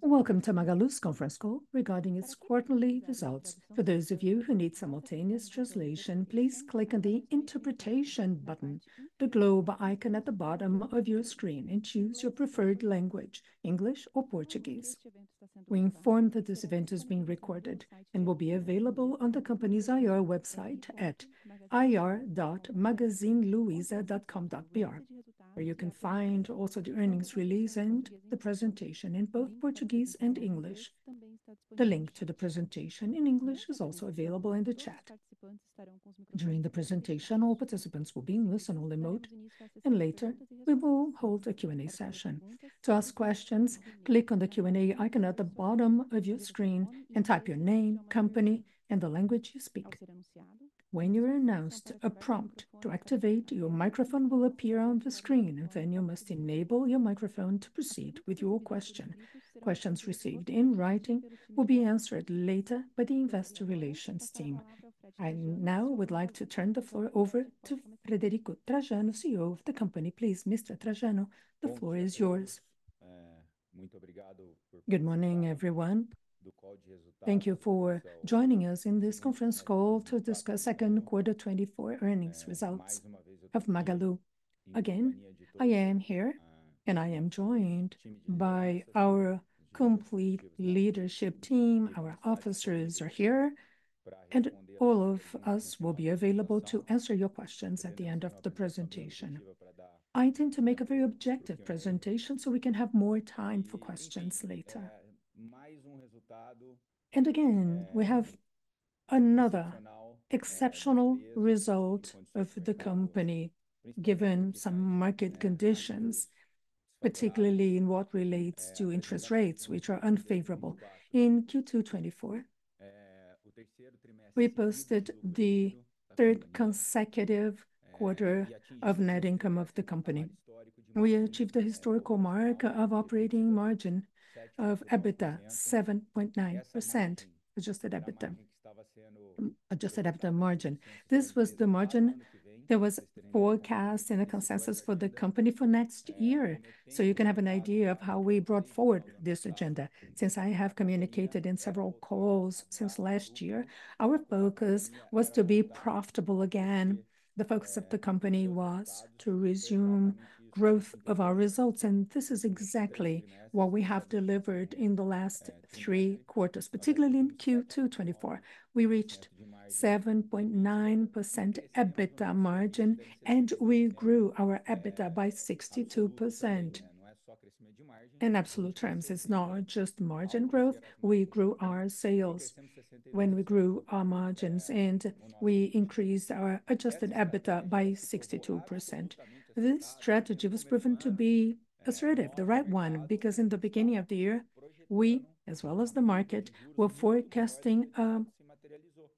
Welcome to Magalu's conference call regarding its quarterly results. For those of you who need simultaneous translation, please click on the Interpretation button, the globe icon at the bottom of your screen, and choose your preferred language, English or Portuguese. We inform that this event is being recorded and will be available on the company's IR website at ir.magazineluiza.com.br, where you can find also the earnings release and the presentation in both Portuguese and English. The link to the presentation in English is also available in the chat. During the presentation, all participants will be in listen-only mode, and later, we will hold a Q&A session. To ask questions, click on the Q&A icon at the bottom of your screen and type your name, company, and the language you speak. When you are announced, a prompt to activate your microphone will appear on the screen. Then, you must enable your microphone to proceed with your question. Questions received in writing will be answered later by the investor relations team. I now would like to turn the floor over to Frederico Trajano, CEO of the company. Please, Mr. Trajano, the floor is yours. Good morning, everyone. Thank you for joining us in this conference call to discuss second quarter 2024 earnings results of Magalu. Again, I am here, and I am joined by our complete leadership team. Our officers are here, and all of us will be available to answer your questions at the end of the presentation. I intend to make a very objective presentation so we can have more time for questions later. And again, we have another exceptional result of the company, given some market conditions, particularly in what relates to interest rates, which are unfavorable. In Q2 2024, we posted the third consecutive quarter of net income of the company. We achieved a historical mark of operating margin of EBITDA, 7.9% adjusted EBITDA, adjusted EBITDA margin. This was the margin that was forecast in a consensus for the company for next year, so you can have an idea of how we brought forward this agenda. Since I have communicated in several calls since last year, our Focus was to be profitable again. The Focus of the company was to resume growth of our results, and this is exactly what we have delivered in the last three quarters, particularly in Q2 2024. We reached 7.9% EBITDA margin, and we grew our EBITDA by 62%. In absolute terms, it's not just margin growth. We grew our sales when we grew our margins, and we increased our adjusted EBITDA by 62%. This strategy was proven to be assertive, the right one, because in the beginning of the year, we, as well as the market, were forecasting a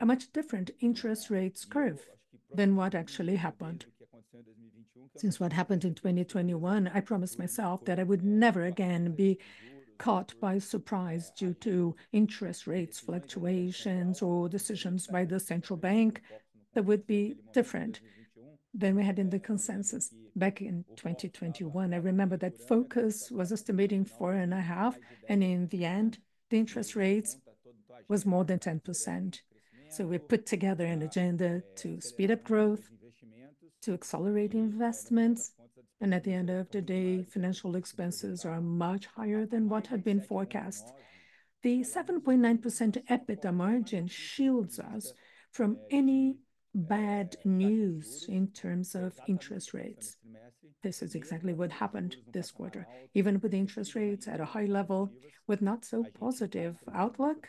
much different interest rates curve than what actually happened. Since what happened in 2021, I promised myself that I would never again be caught by surprise due to interest rates fluctuations or decisions by the central bank that would be different than we had in the consensus back in 2021. I remember that Focus was estimating 4.5, and in the end, the interest rates was more than 10%. So we put together an agenda to speed up growth, to accelerate investments, and at the end of the day, financial expenses are much higher than what had been forecast. The 7.9% EBITDA margin shields us from any bad news in terms of interest rates. This is exactly what happened this quarter. Even with interest rates at a high level, with not so positive outlook,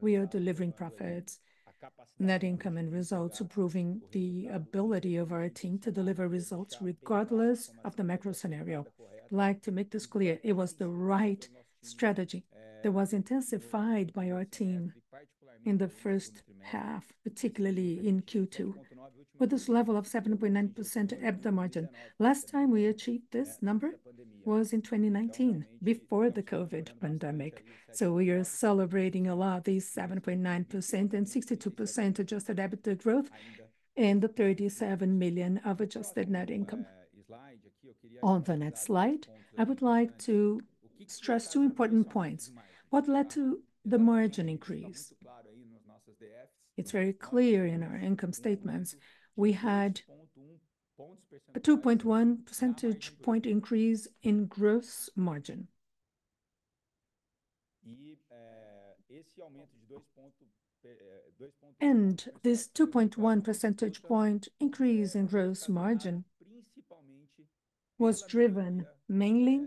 we are delivering profits, net income and results, improving the ability of our team to deliver results regardless of the macro scenario. I'd like to make this clear, it was the right strategy that was intensified by our team in the first half, particularly in Q2. With this level of 7.9% EBITDA margin, last time we achieved this number was in 2019, before the COVID pandemic. So we are celebrating a lot, this 7.9% and 62% adjusted EBITDA growth and the 37 million of adjusted net income. On the next slide, I would like to stress two important points. What led to the margin increase? It's very clear in our income statements. We had a 2.1 percentage point increase in gross margin. This 2.1 percentage point increase in gross margin was driven mainly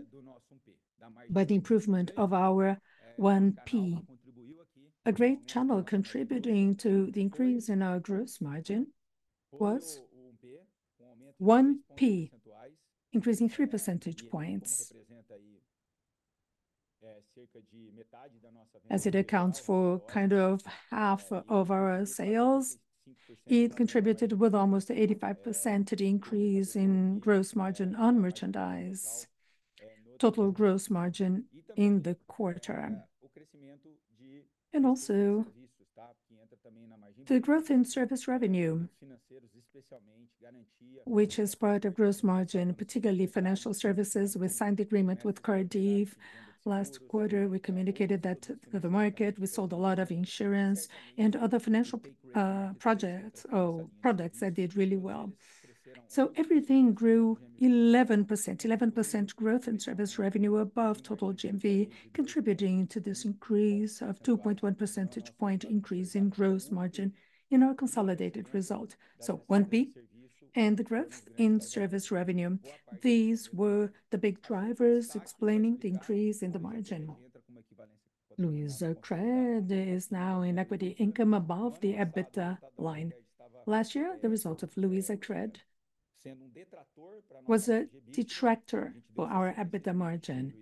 by the improvement of our 1P. A great channel contributing to the increase in our gross margin was 1P, increasing 3 percentage points. As it accounts for kind of half of our sales, it contributed with almost 85% to the increase in gross margin on merchandise, total gross margin in the quarter. Also, the growth in service revenue, which is part of gross margin, particularly financial services. We signed agreement with Cardif last quarter. We communicated that to the market. We sold a lot of insurance and other financial products that did really well. So everything grew 11%. 11% growth in service revenue above total GMV, contributing to this increase of 2.1 percentage point increase in gross margin in our consolidated result. So 1P and the growth in service revenue, these were the big drivers explaining the increase in the margin. Luizacred is now in equity income above the EBITDA line. Last year, the result of Luizacred was a detractor for our EBITDA margin.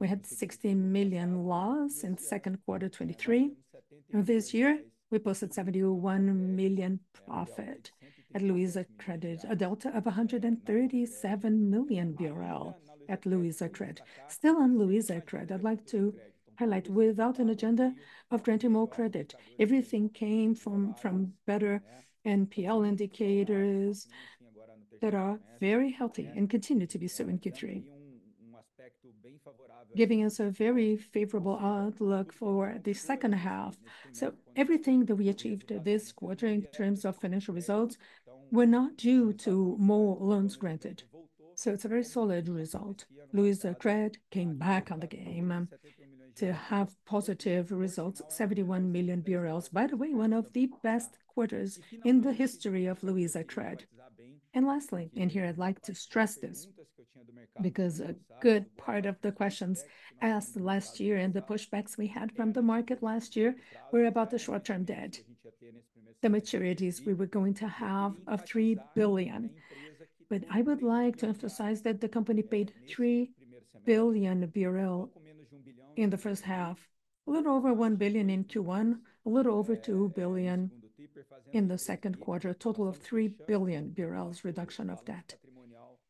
We had 16 million loss in second quarter '23. This year, we posted 71 million profit at Luizacred, a delta of 137 million BRL at Luizacred. Still on Luizacred, I'd like to highlight, without an agenda of granting more credit, everything came from better NPL indicators that are very healthy and continue to be so in Q3, giving us a very favorable outlook for the second half. So everything that we achieved this quarter in terms of financial results were not due to more loans granted, so it's a very solid result. Luizacred came back on the game, to have positive results, 71 million BRL. By the way, one of the best quarters in the history of Luizacred. And lastly, and here I'd like to stress this, because a good part of the questions asked last year and the pushbacks we had from the market last year were about the short-term debt, the maturities we were going to have of 3 billion. But I would like to emphasize that the company paid 3 billion BRL in the first half, a little over 1 billion in Q1, a little over 2 billion in the second quarter, a total of 3 billion BRL reduction of debt.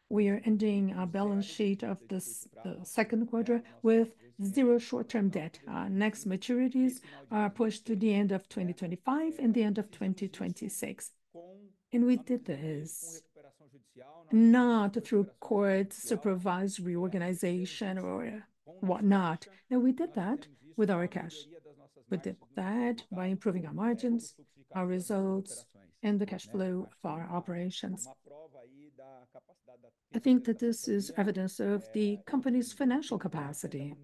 We are ending our balance sheet of this second quarter with 0 short-term debt. Our next maturities are pushed to the end of 2025 and the end of 2026. And we did this not through court-supervised reorganization or whatnot. No, we did that with our cash. We did that by improving our margins, our results, and the cash flow for our operations. I think that this is evidence of the company's financial capacity,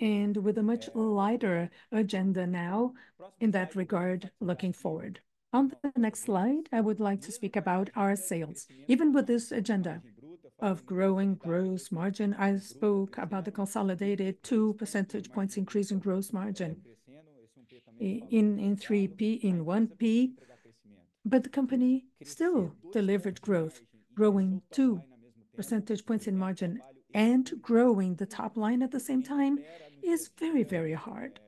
and with a much lighter agenda now in that regard, looking forward. On the next slide, I would like to speak about our sales. Even with this agenda of growing gross margin, I spoke about the consolidated two percentage points increase in gross margin in 3P, in 1P, but the company still delivered growth. Growing two percentage points in margin and growing the top line at the same time is very, very hard.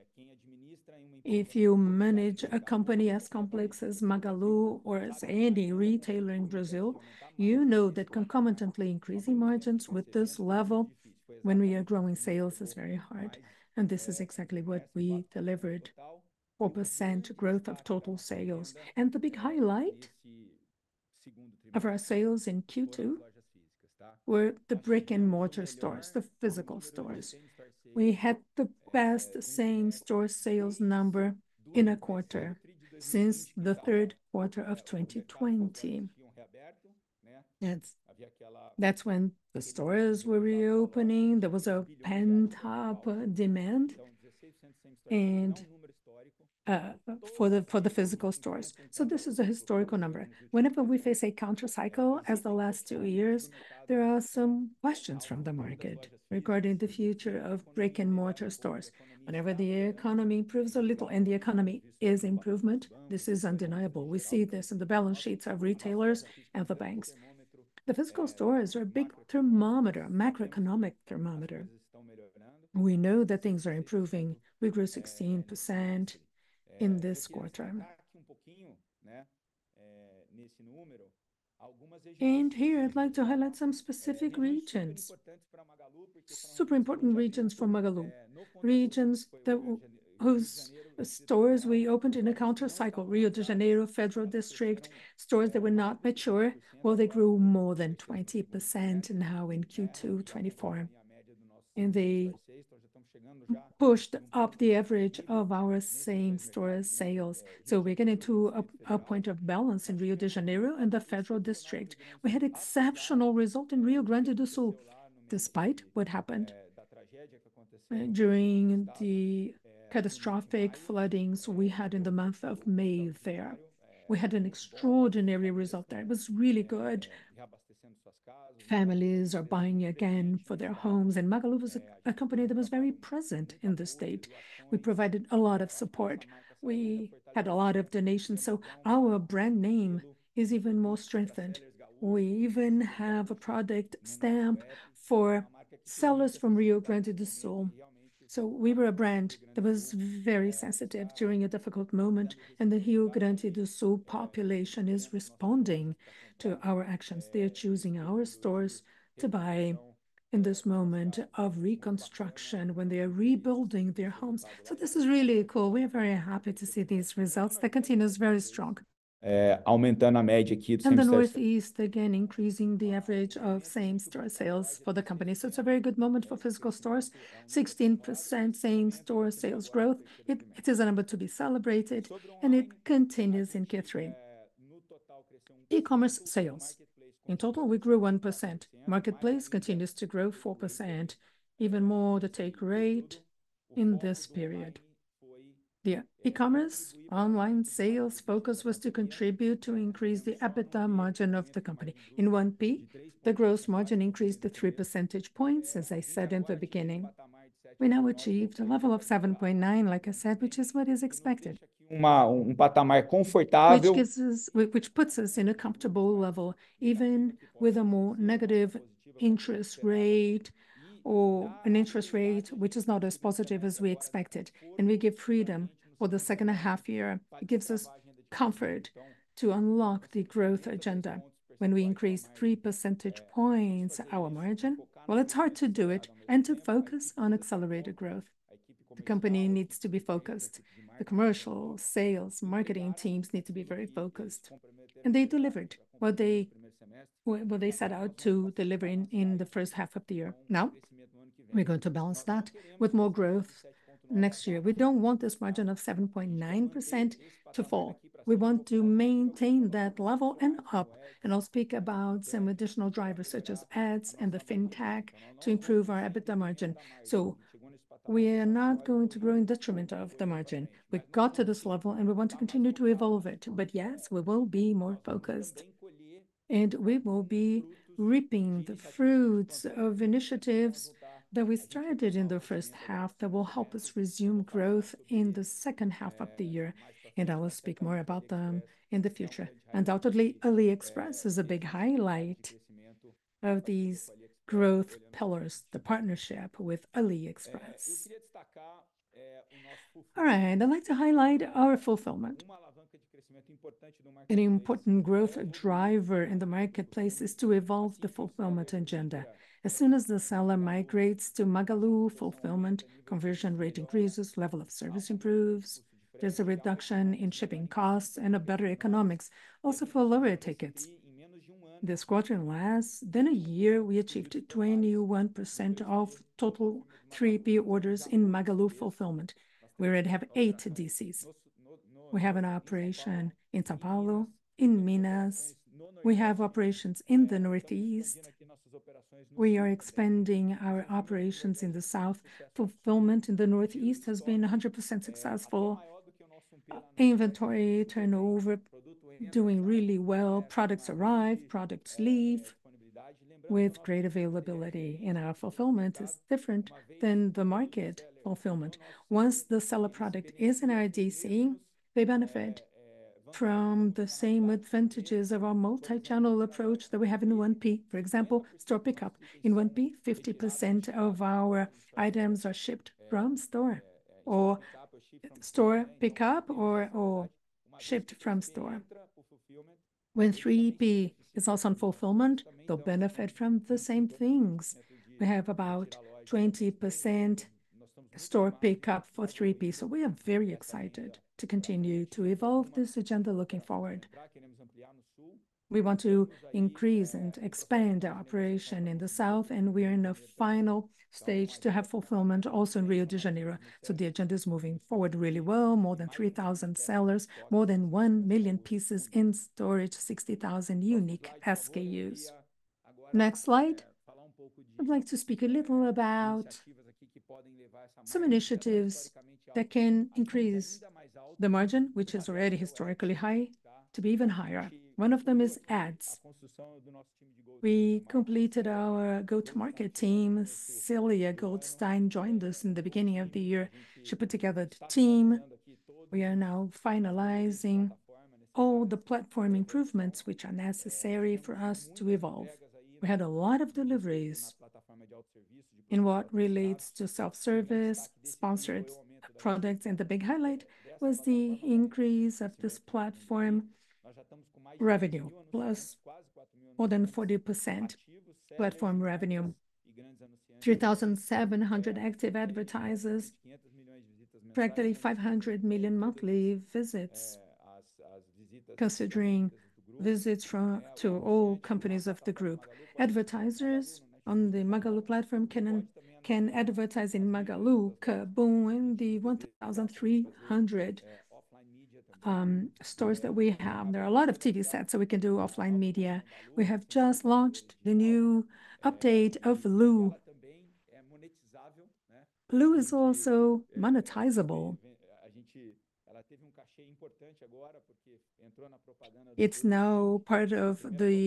If you manage a company as complex as Magalu or as any retailer in Brazil, you know that concomitantly increasing margins with this level when we are growing sales is very hard, and this is exactly what we delivered. 4% growth of total sales. The big highlight of our sales in Q2 were the brick-and-mortar stores, the physical stores. We had the best same-store sales number in a quarter since the third quarter of 2020. That's, that's when the stores were reopening. There was a pent-up demand and for the physical stores. So this is a historical number. Whenever we face a countercycle, as the last two years, there are some questions from the market regarding the future of brick-and-mortar stores. Whenever the economy improves a little... The economy is improvement, this is undeniable. We see this in the balance sheets of retailers and the banks. The physical stores are a big thermometer, macroeconomic thermometer. We know that things are improving. We grew 16% in this quarter. And here I'd like to highlight some specific regions, super important regions for Magalu. Regions that, whose stores we opened in a countercycle. Rio de Janeiro, Federal District, stores that were not mature, well, they grew more than 20% now in Q2 2024, and they pushed up the average of our same-store sales. So we're getting to a point of balance in Rio de Janeiro and the Federal District. We had exceptional result in Rio Grande do Sul, despite what happened during the catastrophic floodings we had in the month of May there. We had an extraordinary result there. It was really good. Families are buying again for their homes, and Magalu was a company that was very present in the state. We provided a lot of support. We had a lot of donations, so our brand name is even more strengthened. We even have a product stamp for sellers from Rio Grande do Sul. So we were a brand that was very sensitive during a difficult moment, and the Rio Grande do Sul population is responding to our actions. They are choosing our stores to buy in this moment of reconstruction, when they are rebuilding their homes. So this is really cool. We're very happy to see these results. That continues very strong. Increasing the average of same-store sales. The Northeast, again, increasing the average of same-store sales for the company. So it's a very good moment for physical stores. 16% same-store sales growth, it is a number to be celebrated, and it continues in Q3. E-commerce sales. In total, we grew 1%. Marketplace continues to grow 4%, even more the take rate in this period. The e-commerce online sales focus was to contribute to increase the EBITDA margin of the company. In 1P, the gross margin increased to three percentage points, as I said in the beginning. We now achieved a level of 7.9, like I said, which is what is expected. A comfortable level. Which puts us in a comfortable level, even with a more negative interest rate or an interest rate which is not as positive as we expected, and we give freedom for the second half year. It gives us comfort to unlock the growth agenda. When we increase three percentage points our margin, well, it's hard to do it and to focus on accelerated growth. The company needs to be focused. The commercial, sales, marketing teams need to be very focused, and they delivered what they set out to deliver in the first half of the year. Now, we're going to balance that with more growth next year. We don't want this margin of 7.9% to fall. We want to maintain that level and up, and I'll speak about some additional drivers, such as ads and the fintech, to improve our EBITDA margin. So we are not going to grow in detriment of the margin. We got to this level, and we want to continue to evolve it. But yes, we will be more focused, and we will be reaping the fruits of initiatives that we started in the first half that will help us resume growth in the second half of the year, and I will speak more about them in the future. Undoubtedly, AliExpress is a big highlight of these growth pillars, the partnership with AliExpress. All right, I'd like to highlight our fulfillment. An important growth driver in the marketplace is to evolve the fulfillment agenda. As soon as the seller migrates to Magalu Fulfillment, conversion rate increases, level of service improves, there's a reduction in shipping costs and a better economics also for lower tickets. This quarter, in less than a year, we achieved 21% of total 3P orders in Magalu Fulfillment. We already have 8 DCs. We have an operation in São Paulo, in Minas. We have operations in the Northeast. We are expanding our operations in the South. Fulfillment in the Northeast has been 100% successful. Inventory turnover doing really well. Products arrive, products leave with great availability, and our fulfillment is different than the market fulfillment. Once the seller product is in our DC, they benefit from the same advantages of our multi-channel approach that we have in 1P. For example, store pickup. In 1P, 50% of our items are shipped from store, or store pickup or, or shipped from store. When 3P is also on fulfillment, they'll benefit from the same things. We have about 20% store pickup for 3P, so we are very excited to continue to evolve this agenda looking forward. We want to increase and expand our operation in the South, and we are in the final stage to have fulfillment also in Rio de Janeiro. So the agenda is moving forward really well. More than 3,000 sellers, more than 1,000,000 pieces in storage, 60,000 unique SKUs. Next slide. I'd like to speak a little about some initiatives that can increase the margin, which is already historically high, to be even higher. One of them is ads. We completed our go-to-market team. Célia Goldstein joined us in the beginning of the year. She put together the team. We are now finalizing all the platform improvements which are necessary for us to evolve. We had a lot of deliveries in what relates to self-service, sponsored products, and the big highlight was the increase of this platform revenue, plus more than 40% platform revenue. 3,700 active advertisers, practically 500 million monthly visits, considering visits from... to all companies of the group. Advertisers on the Magalu platform can, can advertise in Magalu, KaBuM!, and the 1,300- Offline media... stores that we have. There are a lot of TV sets, so we can do offline media. We have just launched the new update of Lu. Lu is also monetizable. Uh, she... It's now part of the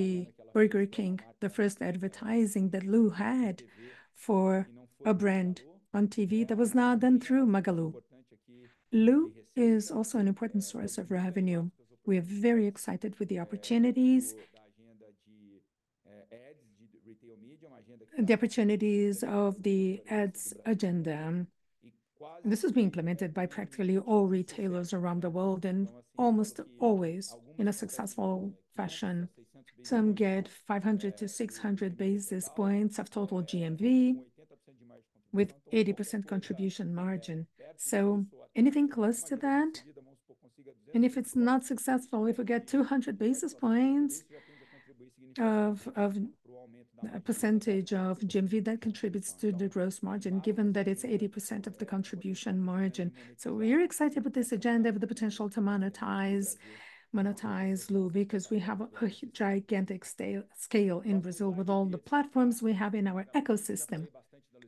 Burger King, the first advertising that Lu had for a brand on TV that was now done through Magalu. Lu is also an important source of revenue. We are very excited with the opportunities- ads, retail media... the opportunities of the ads agenda.... And this is being implemented by practically all retailers around the world, and almost always in a successful fashion. Some get 500-600 basis points of total GMV, with 80% contribution margin. So anything close to that, and if it's not successful, if we get 200 basis points of, of a percentage of GMV, that contributes to the gross margin, given that it's 80% of the contribution margin. So we're excited about this agenda, with the potential to monetize, monetize Lu, because we have a huge, gigantic scale, scale in Brazil with all the platforms we have in our ecosystem.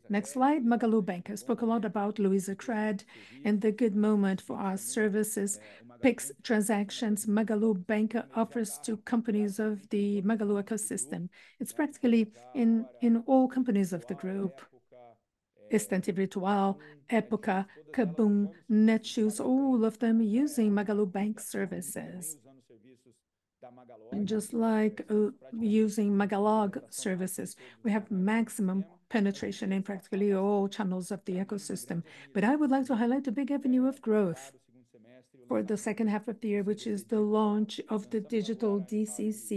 Next slide, Magalu Bank. I spoke a lot about Luizacred and the good moment for our services, Pix transactions Magalu Bank offers to companies of the Magalu ecosystem. It's practically in, in all companies of the group. Estante Virtual, Epoca, KaBuM!, Netshoes, all of them using Magalu Bank services. And just like using Magalog services, we have maximum penetration in practically all channels of the ecosystem. But I would like to highlight a big avenue of growth for the second half of the year, which is the launch of the digital DCC.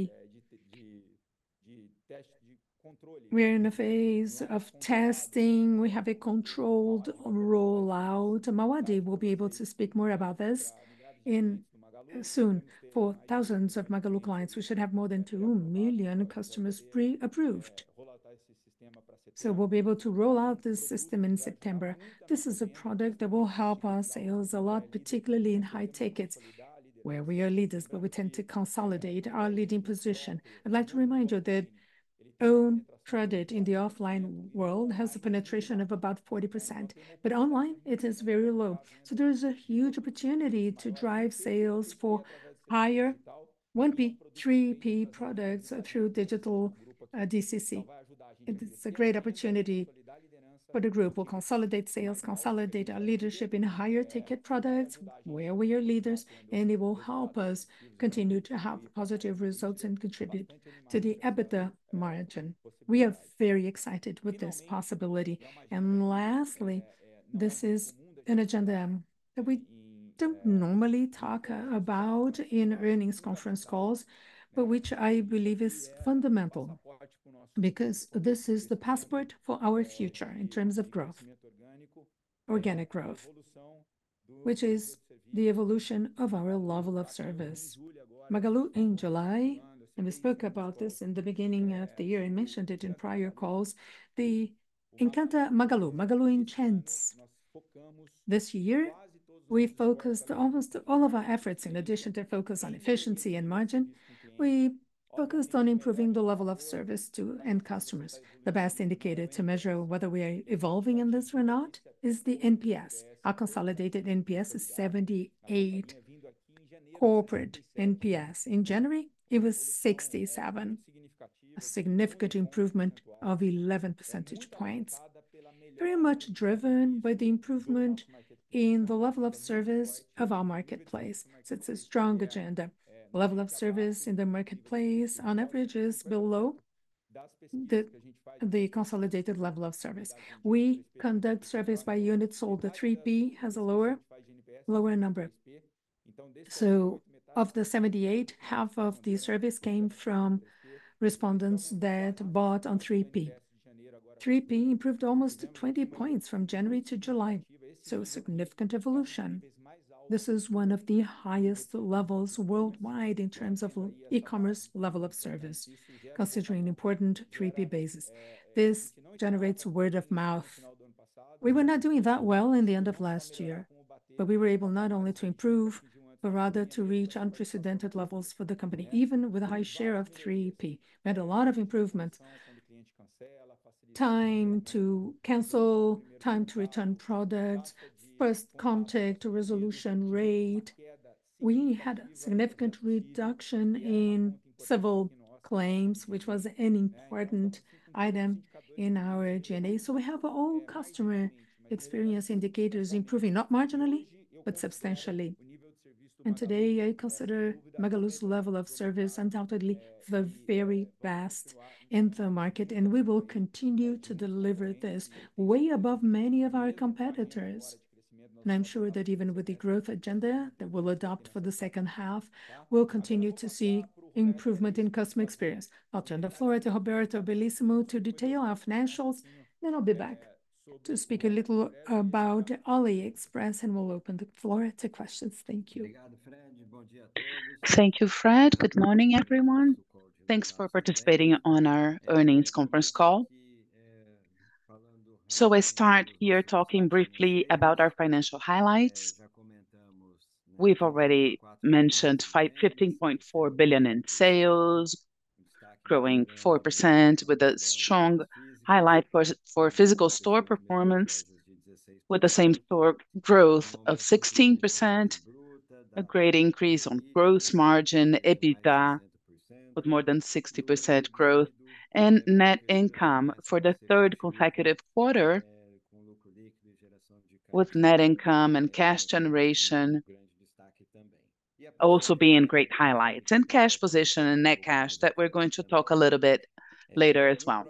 We're in a phase of testing. We have a controlled rollout, and Mauad will be able to speak more about this soon. For thousands of Magalu clients, we should have more than 2 million customers pre-approved. So we'll be able to roll out this system in September. This is a product that will help our sales a lot, particularly in high tickets, where we are leaders, but we tend to consolidate our leading position. I'd like to remind you that own credit in the offline world has a penetration of about 40%, but online it is very low. So there is a huge opportunity to drive sales for higher 1P, 3P products through digital DCC. It is a great opportunity for the group. We'll consolidate sales, consolidate our leadership in higher-ticket products, where we are leaders, and it will help us continue to have positive results and contribute to the EBITDA margin. We are very excited with this possibility. Lastly, this is an agenda that we don't normally talk about in earnings conference calls, but which I believe is fundamental because this is the passport for our future in terms of growth, organic growth, which is the evolution of our level of service. Magalu in July, and we spoke about this in the beginning of the year and mentioned it in prior calls, the Encanta Magalu, Magalu Enchants. This year, we focused almost all of our efforts, in addition to focus on efficiency and margin, we focused on improving the level of service to end customers. The best indicator to measure whether we are evolving in this or not is the NPS. Our consolidated NPS is 78. Corporate NPS in January, it was 67. A significant improvement of 11 percentage points, very much driven by the improvement in the level of service of our marketplace. So it's a strong agenda. Level of service in the marketplace on average is below the consolidated level of service. We conduct surveys by units, so the 3P has a lower number. So of the 78, half of the surveys came from respondents that bought on 3P. 3P improved almost 20 points from January to July, so a significant evolution. This is one of the highest levels worldwide in terms of e-commerce level of service, considering important 3P basis. This generates word of mouth. We were not doing that well in the end of last year, but we were able not only to improve, but rather to reach unprecedented levels for the company, even with a high share of 3P. We had a lot of improvement. Time to cancel, time to return products, first contact, resolution rate. We had a significant reduction in civil claims, which was an important item in our journey. So we have all customer experience indicators improving, not marginally, but substantially. Today, I consider Magalu's level of service undoubtedly the very best in the market, and we will continue to deliver this way above many of our competitors. I'm sure that even with the growth agenda that we'll adopt for the second half, we'll continue to see improvement in customer experience. I'll turn the floor to Roberto Bellissimo to detail our financials, then I'll be back to speak a little about AliExpress, and we'll open the floor to questions. Thank you. Thank you, Fred. Good morning, everyone. Thanks for participating on our earnings conference call. I start here talking briefly about our financial highlights. We've already mentioned 15.4 billion in sales, growing 4% with a strong highlight for physical store performance, with the same store growth of 16%, a great increase on gross margin, EBITDA, with more than 60% growth, and net income. For the third consecutive quarter, with net income and cash generation also be in great highlights. And cash position and net cash that we're going to talk a little bit later as well.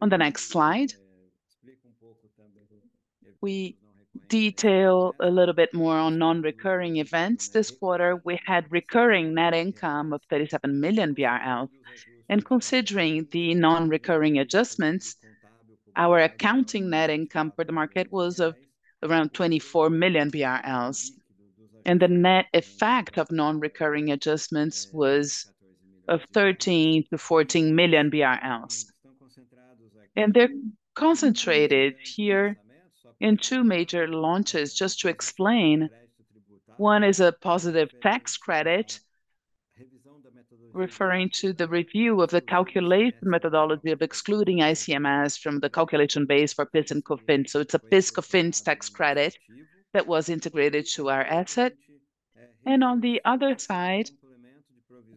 On the next slide, we detail a little bit more on non-recurring events. This quarter, we had recurring net income of 37 million BRL. Considering the non-recurring adjustments, our accounting net income for the market was of around 24 million BRL, and the net effect of non-recurring adjustments was of 13 million-14 million BRL. They're concentrated here in two major launches. Just to explain, one is a positive tax credit, referring to the review of the calculation methodology of excluding ICMS from the calculation base for PIS and COFINS. So it's a PIS COFINS tax credit that was integrated to our asset. On the other side,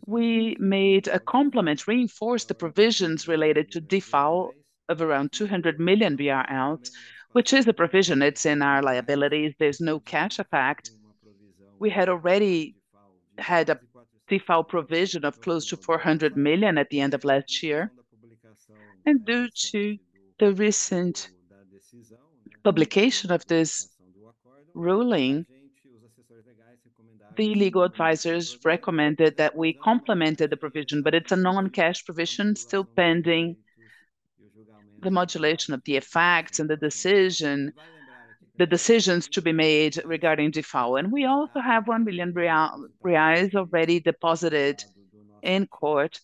we made a complement, reinforced the provisions related to DIFAL of around 200 million, which is a provision. It's in our liabilities. There's no cash effect. We had already had a DIFAL provision of close to 400 million at the end of last year. Due to the recent publication of this ruling, the legal advisors recommended that we complemented the provision, but it's a non-cash provision, still pending the modulation of the effects and the decision, the decisions to be made regarding DIFAL. We also have 1 billion reais already deposited in court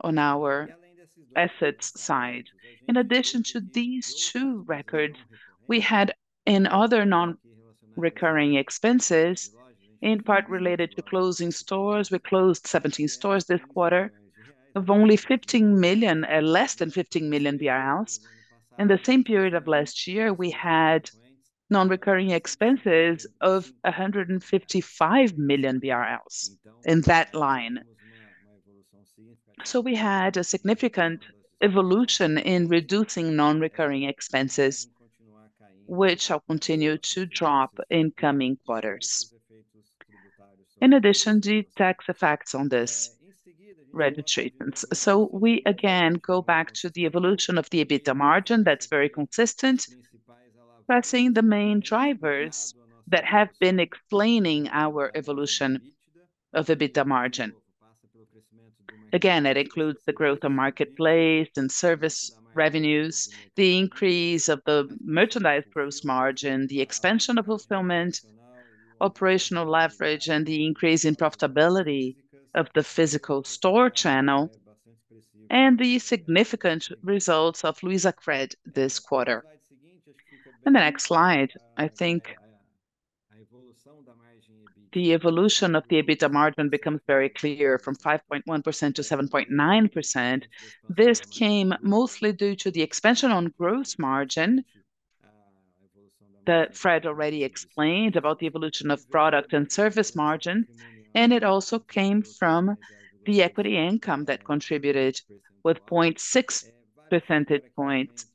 on our assets side. In addition to these two records, we had in other non-recurring expenses, in part related to closing stores. We closed 17 stores this quarter of only 15 million, less than 15 million BRL. In the same period of last year, we had non-recurring expenses of 155 million BRL in that line. We had a significant evolution in reducing non-recurring expenses, which shall continue to drop in coming quarters. In addition, the tax effects on this revenue treatments. We again go back to the evolution of the EBITDA margin. That's very consistent. Passing the main drivers that have been explaining our evolution of EBITDA margin. Again, it includes the growth of marketplace and service revenues, the increase of the merchandise gross margin, the expansion of fulfillment, operational leverage, and the increase in profitability of the physical store channel, and the significant results of Luizacred this quarter. In the next slide, I think the evolution of the EBITDA margin becomes very clear, from 5.1% to 7.9%. This came mostly due to the expansion on gross margin, that Fred already explained about the evolution of product and service margin, and it also came from the equity income that contributed with 0.6 percentage points.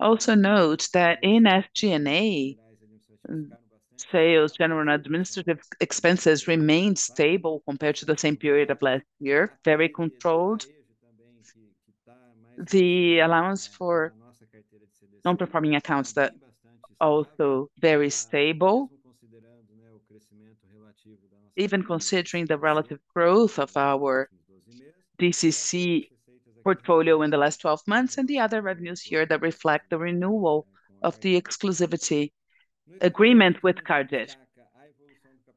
Also note that in SG&A, sales, general and administrative expenses remained stable compared to the same period of last year, very controlled. The allowance for non-performing accounts that also very stable, even considering the relative growth of our DCC portfolio in the last 12 months, and the other revenues here that reflect the renewal of the exclusivity agreement with Cardif.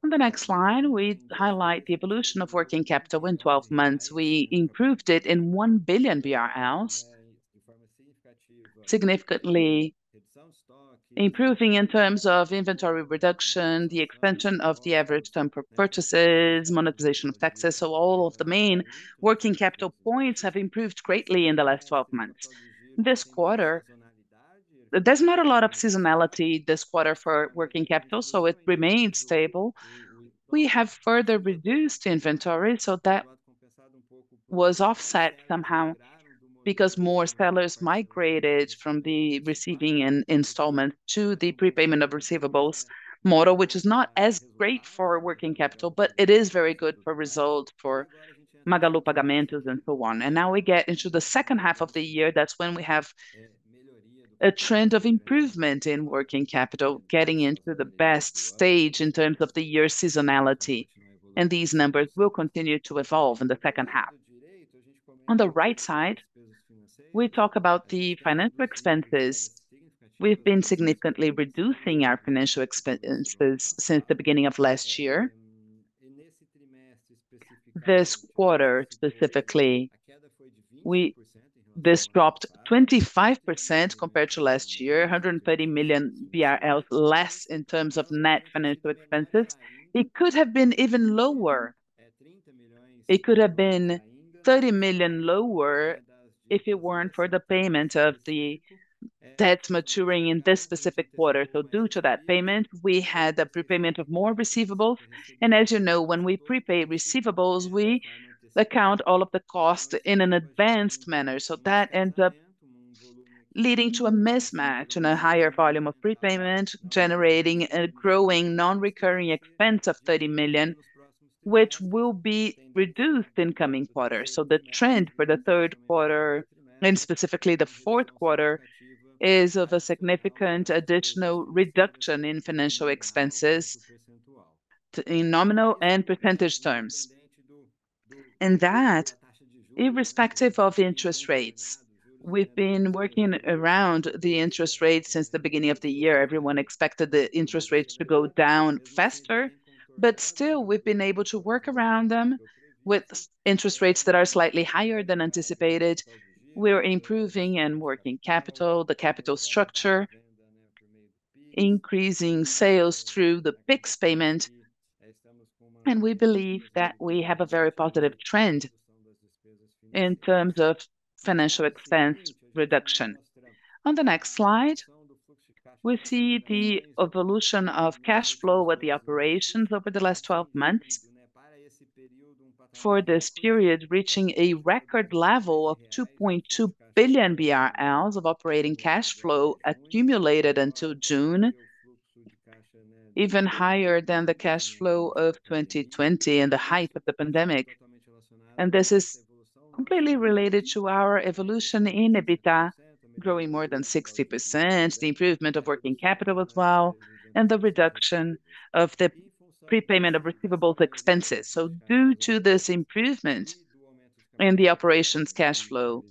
On the next slide, we highlight the evolution of working capital in 12 months. We improved it in 1 billion BRL, significantly improving in terms of inventory reduction, the expansion of the average term purchases, monetization of taxes. So all of the main working capital points have improved greatly in the last 12 months. This quarter, there's not a lot of seasonality this quarter for working capital, so it remains stable. We have further reduced inventory, so that was offset somehow because more sellers migrated from the receiving an installment to the prepayment of receivables model, which is not as great for working capital, but it is very good for result for Magalu Pagamentos and so on. And now we get into the second half of the year. That's when we have a trend of improvement in working capital, getting into the best stage in terms of the year seasonality, and these numbers will continue to evolve in the second half. On the right side, we talk about the financial expenses. We've been significantly reducing our financial expenses since the beginning of last year. This quarter specifically, this dropped 25% compared to last year, 130 million BRL less in terms of net financial expenses. It could have been even lower. It could have been 30 million lower if it weren't for the payment of the debts maturing in this specific quarter. Due to that payment, we had a prepayment of more receivables. As you know, when we prepay receivables, we account all of the cost in an advanced manner. That ends up leading to a mismatch and a higher volume of prepayment, generating a growing non-recurring expense of 30 million, which will be reduced in coming quarters. The trend for the third quarter, and specifically the fourth quarter, is of a significant additional reduction in financial expenses, in nominal and percentage terms. That, irrespective of interest rates, we've been working around the interest rates since the beginning of the year. Everyone expected the interest rates to go down faster, but still we've been able to work around them with interest rates that are slightly higher than anticipated. We're improving and working capital, the capital structure, increasing sales through the Pix payment, and we believe that we have a very positive trend in terms of financial expense reduction. On the next slide, we see the evolution of cash flow with the operations over the last 12 months. For this period, reaching a record level of 2.2 billion BRL of operating cash flow accumulated until June, even higher than the cash flow of 2020 in the height of the pandemic. This is completely related to our evolution in EBITDA, growing more than 60%, the improvement of working capital as well, and the reduction of the prepayment of receivables expenses. So due to this improvement in the operations cash flow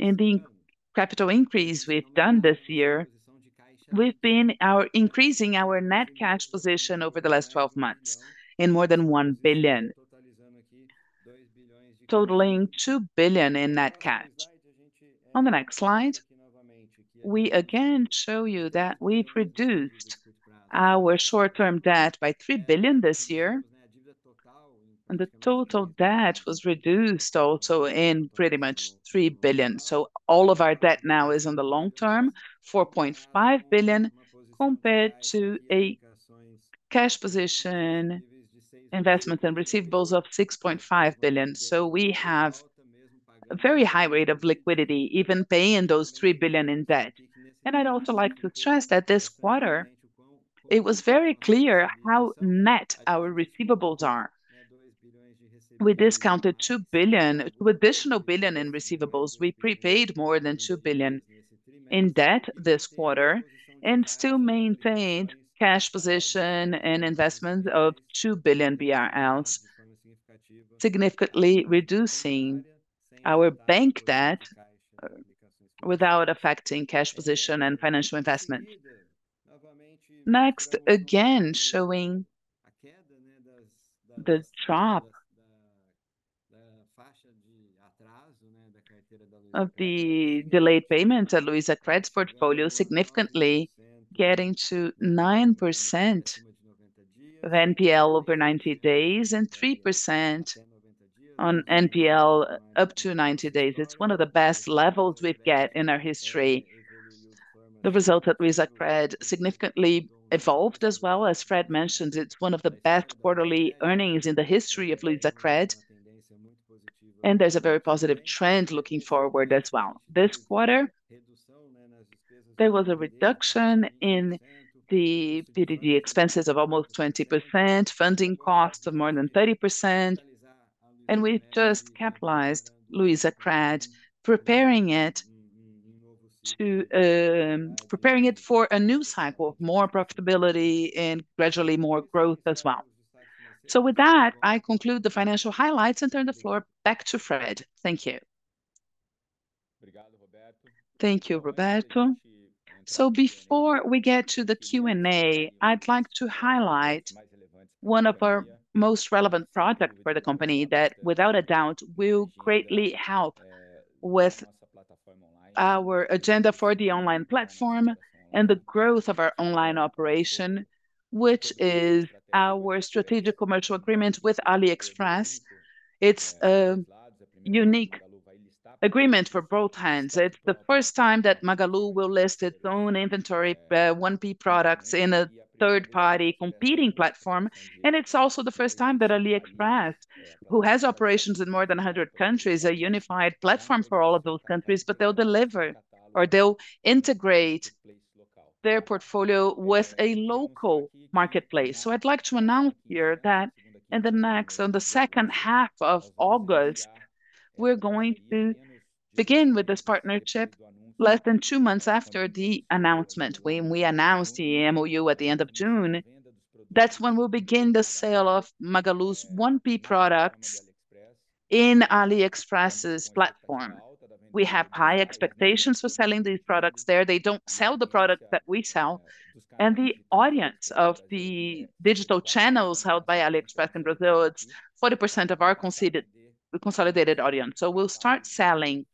and the capital increase we've done this year, we've been increasing our net cash position over the last twelve months in more than 1 billion, totaling 2 billion in net cash. On the next slide, we again show you that we've reduced our short-term debt by 3 billion this year, and the total debt was reduced also in pretty much 3 billion. So all of our debt now is in the long term, 4.5 billion, compared to a cash position, investments and receivables of 6.5 billion. So we have a very high rate of liquidity, even paying those 3 billion in debt. And I'd also like to stress that this quarter, it was very clear how net our receivables are. We discounted 2 billion... With an additional 1 billion BRL in receivables, we prepaid more than 2 billion BRL in debt this quarter, and still maintained cash position and investment of 2 billion BRL, significantly reducing our bank debt without affecting cash position and financial investment. Next, again, showing the drop of the delayed payments at Luizacred's portfolio, significantly getting to 9% of NPL over 90 days, and 3% on NPL up to 90 days. It's one of the best levels we've got in our history. The result at Luizacred significantly evolved as well. As Fred mentioned, it's one of the best quarterly earnings in the history of Luizacred, and there's a very positive trend looking forward as well. This quarter, there was a reduction in the PDD expenses of almost 20%, funding costs of more than 30%, and we just capitalized Luizacred, preparing it for a new cycle, more profitability and gradually more growth as well. So with that, I conclude the financial highlights and turn the floor back to Fred. Thank you. Thank you, Roberto. So before we get to the Q&A, I'd like to highlight one of our most relevant product for the company that, without a doubt, will greatly help with our agenda for the online platform and the growth of our online operation, which is our strategic commercial agreement with AliExpress. It's a unique agreement for both hands. It's the first time that Magalu will list its own inventory, 1P products in a third-party competing platform, and it's also the first time that AliExpress, who has operations in more than 100 countries, a unified platform for all of those countries, but they'll deliver or they'll integrate their portfolio with a local marketplace. So I'd like to announce here that in the next, on the second half of August, we're going to begin with this partnership less than two months after the announcement, when we announced the MOU at the end of June. That's when we'll begin the sale of Magalu's 1P products in AliExpress's platform. We have high expectations for selling these products there. They don't sell the product that we sell, and the audience of the digital channels held by AliExpress in Brazil, it's 40% of our consolidated audience. So we'll start selling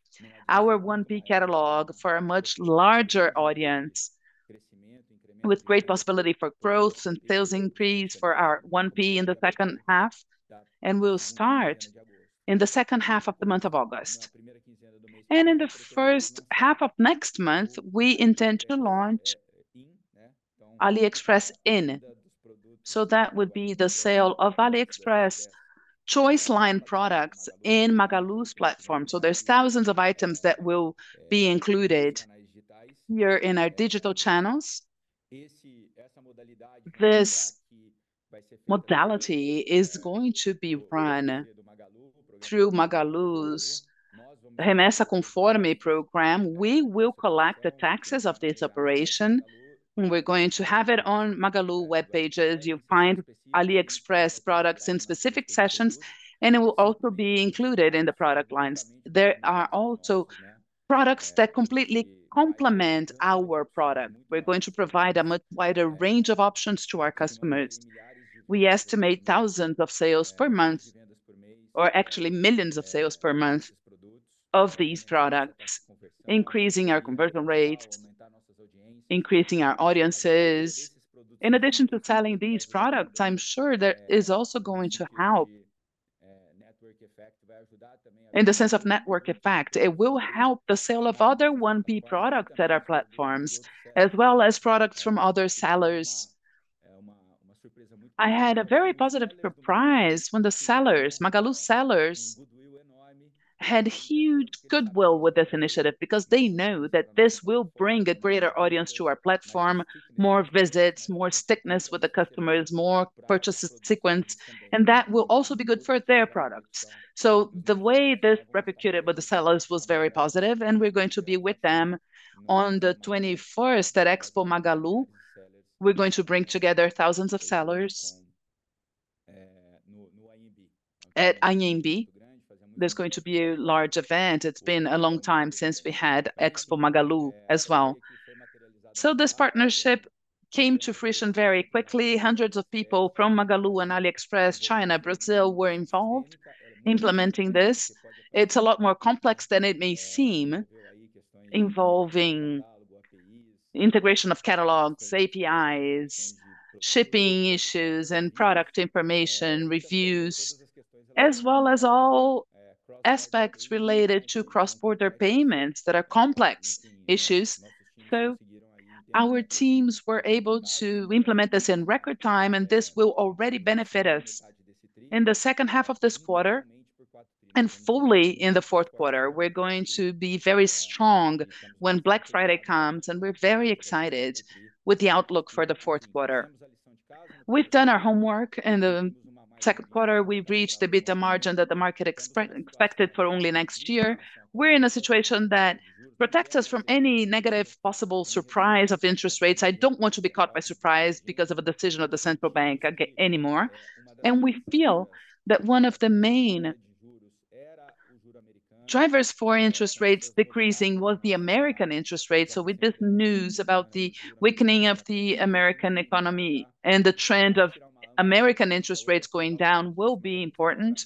our 1P catalog for a much larger audience, with great possibility for growth and sales increase for our 1P in the second half, and we'll start in the second half of the month of August. And in the first half of next month, we intend to launch AliExpress in. So that would be the sale of AliExpress Choice line products in Magalu's platform. So there's thousands of items that will be included here in our digital channels. This modality is going to be run through Magalu's Remessa Conforme program. We will collect the taxes of this operation, and we're going to have it on Magalu web pages. You'll find AliExpress products in specific sections, and it will also be included in the product lines. There are also products that completely complement our product. We're going to provide a much wider range of options to our customers. We estimate thousands of sales per month, or actually millions of sales per month of these products, increasing our conversion rates, increasing our audiences. In addition to selling these products, I'm sure that is also going to help- Network effect... in the sense of network effect, it will help the sale of other 1P products at our platforms, as well as products from other sellers. I had a very positive surprise when the sellers, Magalu sellers, had huge goodwill with this initiative because they know that this will bring a greater audience to our platform, more visits, more stickiness with the customers, more purchase sequence, and that will also be good for their products. So the way this repercussed with the sellers was very positive, and we're going to be with them on the 21st at Expo Magalu. We're going to bring together thousands of sellers at Anhembi. There's going to be a large event. It's been a long time since we had Expo Magalu as well. So this partnership came to fruition very quickly. Hundreds of people from Magalu and AliExpress, China, Brazil, were involved implementing this. It's a lot more complex than it may seem, involving integration of catalogs, APIs, shipping issues, and product information, reviews, as well as all aspects related to cross-border payments that are complex issues. So our teams were able to implement this in record time, and this will already benefit us in the second half of this quarter and fully in the fourth quarter. We're going to be very strong when Black Friday comes, and we're very excited with the outlook for the fourth quarter. We've done our homework. In the second quarter, we've reached the EBITDA margin that the market expected for only next year. We're in a situation that protects us from any negative possible surprise of interest rates. I don't want to be caught by surprise because of a decision of the central bank anymore, and we feel that one of the main drivers for interest rates decreasing was the American interest rate. So with this news about the weakening of the American economy and the trend of American interest rates going down will be important.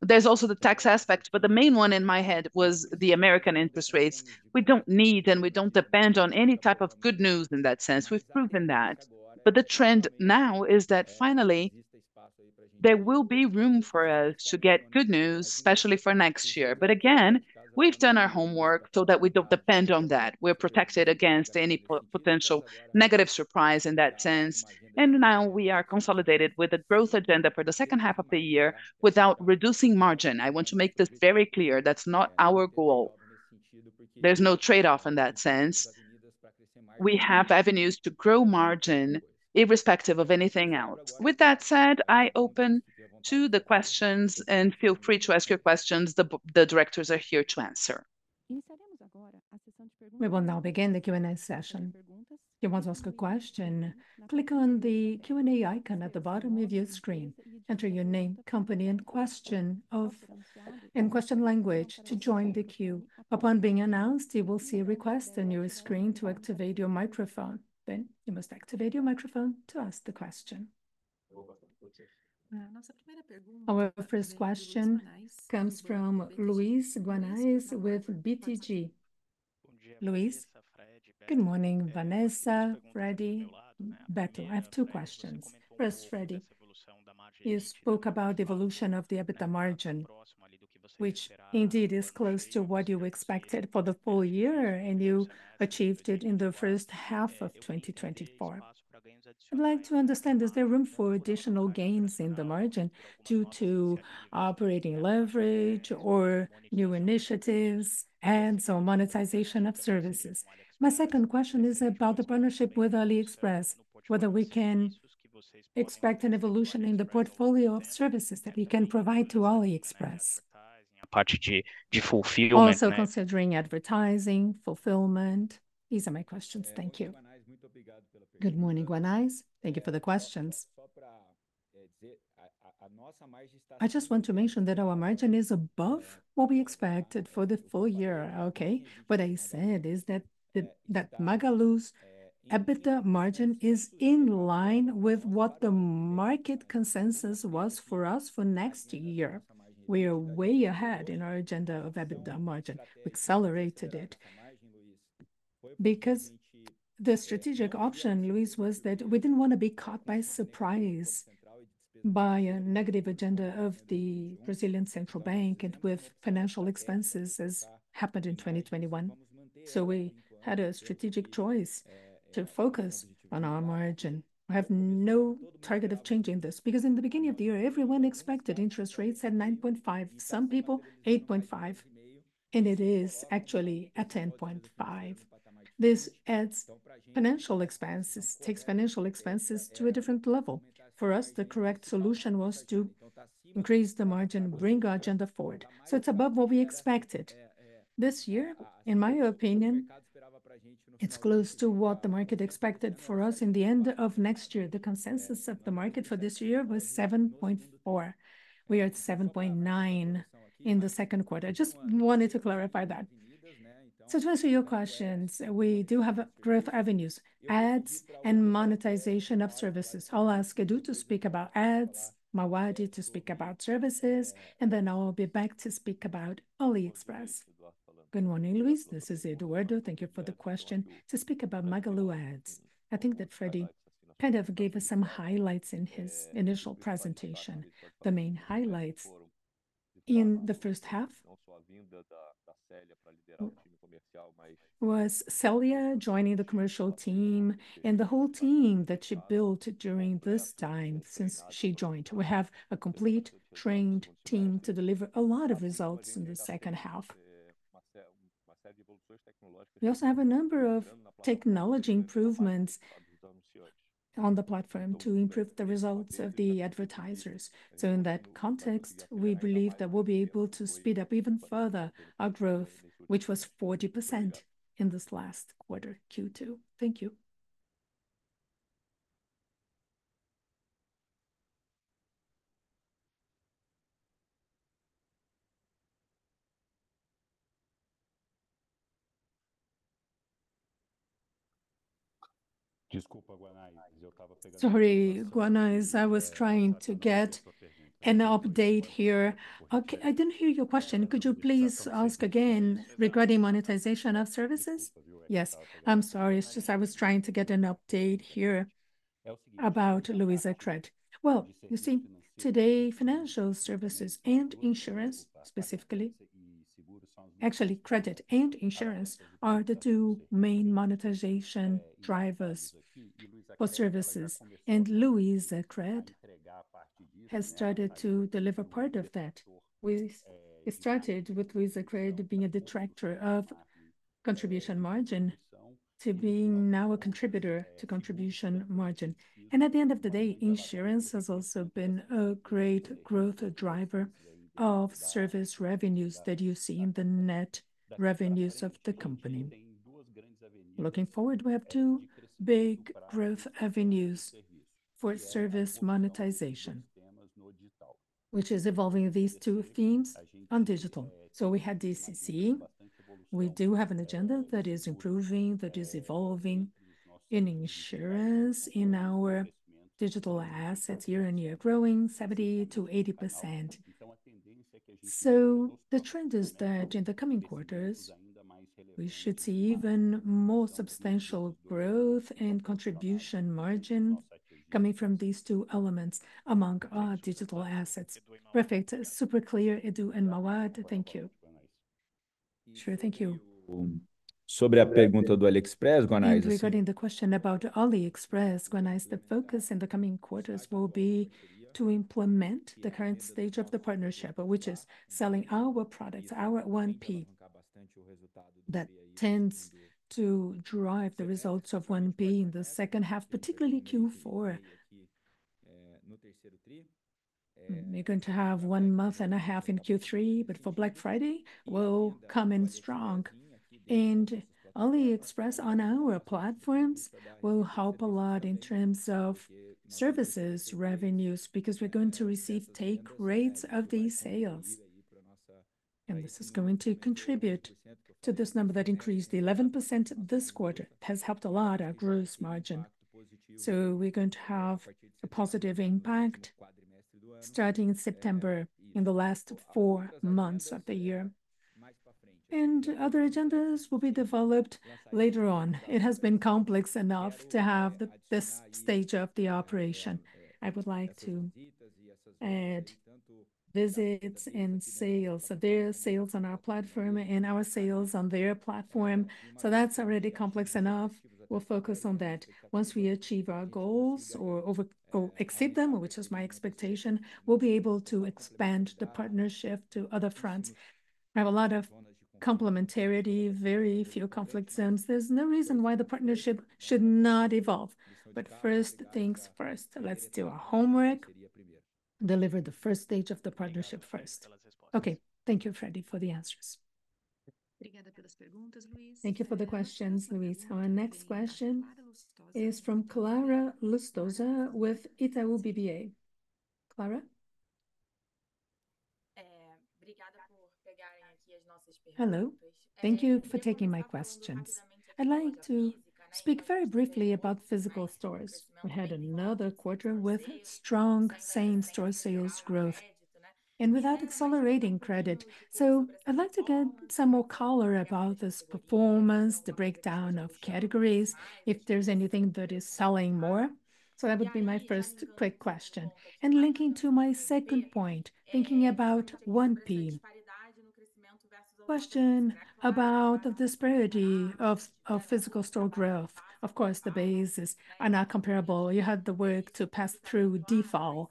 There's also the tax aspect, but the main one in my head was the American interest rates. We don't need, and we don't depend on any type of good news in that sense. We've proven that. But the trend now is that finally there will be room for us to get good news, especially for next year. But again, we've done our homework so that we don't depend on that. We're protected against any potential negative surprise in that sense, and now we are consolidated with a growth agenda for the second half of the year without reducing margin. I want to make this very clear, that's not our goal. There's no trade-off in that sense. We have avenues to grow margin, irrespective of anything else. With that said, I open to the questions, and feel free to ask your questions. The directors are here to answer. We will now begin the Q&A session. If you want to ask a question, click on the Q&A icon at the bottom of your screen. Enter your name, company, and question, and question language to join the queue. Upon being announced, you will see a request on your screen to activate your microphone. Then you must activate your microphone to ask the question. Our first question comes from Luiz Guanais with BTG. Luiz? Good morning, Vanessa, Freddy, Beto. I have two questions. First, Freddy, you spoke about the evolution of the EBITDA margin, which indeed is close to what you expected for the full year, and you achieved it in the first half of 2024. I'd like to understand, is there room for additional gains in the margin due to operating leverage or new initiatives, and so monetization of services? My second question is about the partnership with AliExpress, whether we can expect an evolution in the portfolio of services that we can provide to AliExpress. Particularly, of fulfillment- Also considering advertising, fulfillment. These are my questions. Thank you. Good morning, Guanais. Thank you for the questions. I just want to mention that our margin is above what we expected for the full year, okay? What I said is that Magalu's EBITDA margin is in line with what the market consensus was for us for next year. We are way ahead in our agenda of EBITDA margin. We accelerated it, because the strategic option, Luiz, was that we didn't want to be caught by surprise.... by a negative agenda of the Brazilian Central Bank and with financial expenses, as happened in 2021. So we had a strategic choice to focus on our margin. We have no target of changing this, because in the beginning of the year, everyone expected interest rates at 9.5%, some people 8.5%, and it is actually at 10.5%. This adds financial expenses, takes financial expenses to a different level. For us, the correct solution was to increase the margin, bring our agenda forward, so it's above what we expected. This year, in my opinion, it's close to what the market expected for us in the end of next year. The consensus of the market for this year was 7.4%. We are at 7.9% in the second quarter. Just wanted to clarify that. So to answer your questions, we do have growth avenues, ads, and monetization of services. I'll ask Edu to speak about ads, Mauad to speak about services, and then I'll be back to speak about AliExpress. Good morning, Luiz. This is Eduardo. Thank you for the question. To speak about Magalu Ads, I think that Freddy kind of gave us some highlights in his initial presentation. The main highlights in the first half was Célia joining the commercial team and the whole team that she built during this time since she joined. We have a complete trained team to deliver a lot of results in the second half. We also have a number of technology improvements on the platform to improve the results of the advertisers. So in that context, we believe that we'll be able to speed up even further our growth, which was 40% in this last quarter, Q2. Thank you. Sorry, Guanais, I was trying to get an update here. Okay, I didn't hear your question. Could you please ask again? Regarding monetization of services? Yes. I'm sorry, it's just I was trying to get an update here about Luizacred. Well, you see, today, financial services and insurance, specifically. Actually, credit and insurance are the two main monetization drivers for services, and Luizacred has started to deliver part of that. We started with Luizacred being a detractor of contribution margin to being now a contributor to contribution margin. And at the end of the day, insurance has also been a great growth driver of service revenues that you see in the net revenues of the company. Looking forward, we have two big growth avenues for service monetization, which is evolving these two themes on digital. So we had DCC. We do have an agenda that is improving, that is evolving in insurance, in our digital assets, year-on-year, growing 70%-80%. The trend is that in the coming quarters, we should see even more substantial growth and contribution margin coming from these two elements among our digital assets. Perfect. Super clear, Edu and Mauad. Thank you. Sure. Thank you. And regarding the question about AliExpress, Guanais, the focus in the coming quarters will be to implement the current stage of the partnership, which is selling our products, our 1P. That tends to drive the results of 1P in the second half, particularly Q4. We're going to have one month and a half in Q3, but for Black Friday, we'll come in strong. And AliExpress on our platforms will help a lot in terms of services revenues, because we're going to receive take rates of these sales, and this is going to contribute to this number that increased. The 11% this quarter has helped a lot our gross margin. So we're going to have a positive impact starting in September, in the last four months of the year. And other agendas will be developed later on. It has been complex enough to have this stage of the operation. I would like to add visits and sales. So their sales on our platform and our sales on their platform, so that's already complex enough. We'll focus on that. Once we achieve our goals or over or exceed them, which is my expectation, we'll be able to expand the partnership to other fronts. We have a lot of complementarity, very few conflict zones. There's no reason why the partnership should not evolve. But first things first, let's do our homework, deliver the first stage of the partnership first. Okay. Thank you, Freddy, for the answers. Thank you for the questions, Luiz. Our next question is from Clara Lustosa with Itaú BBA. Clara? Hello. Thank you for taking my questions. I'd like to speak very briefly about physical stores. We had another quarter with strong same-store sales growth... and without accelerating credit. So I'd like to get some more color about this performance, the breakdown of categories, if there's anything that is selling more. So that would be my first quick question. And linking to my second point, thinking about 1P. Question about the disparity of sales of physical store growth. Of course, the bases are not comparable. You had the work to pass through default.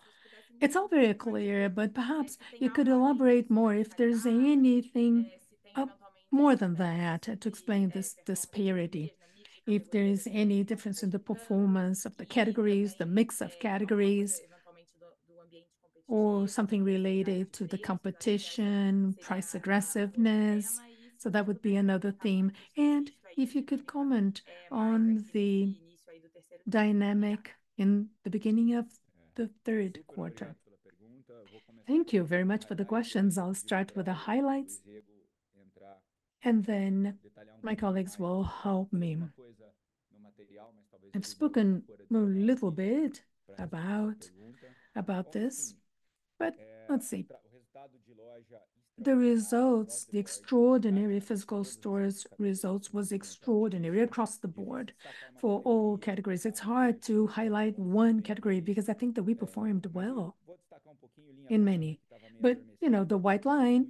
It's all very clear, but perhaps you could elaborate more if there's anything more than that to explain this disparity. If there is any difference in the performance of the categories, the mix of categories, or something related to the competition, price aggressiveness, so that would be another theme. And if you could comment on the dynamic in the beginning of the third quarter? Thank you very much for the questions. I'll start with the highlights, and then my colleagues will help me. I've spoken a little bit about, about this, but let's see. The results, the extraordinary physical stores results was extraordinary across the board for all categories. It's hard to highlight one category, because I think that we performed well in many. But, you know, the white line,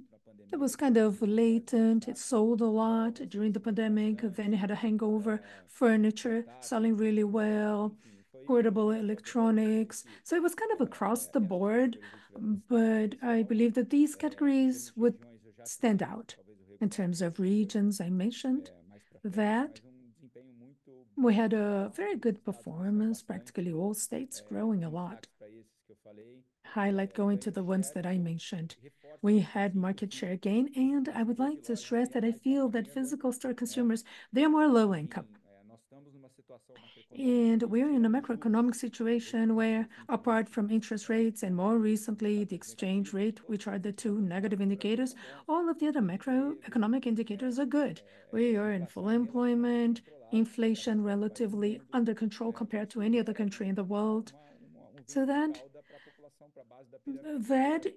it was kind of latent. It sold a lot during the pandemic, then it had a hangover. Furniture selling really well, portable electronics, so it was kind of across the board. But I believe that these categories would stand out. In terms of regions, I mentioned that we had a very good performance, practically all states growing a lot. Highlight going to the ones that I mentioned. We had market share gain, and I would like to stress that I feel that physical store consumers, they are more low income. We're in a macroeconomic situation where apart from interest rates, and more recently, the exchange rate, which are the two negative indicators, all of the other macroeconomic indicators are good. We are in full employment, inflation relatively under control compared to any other country in the world. So that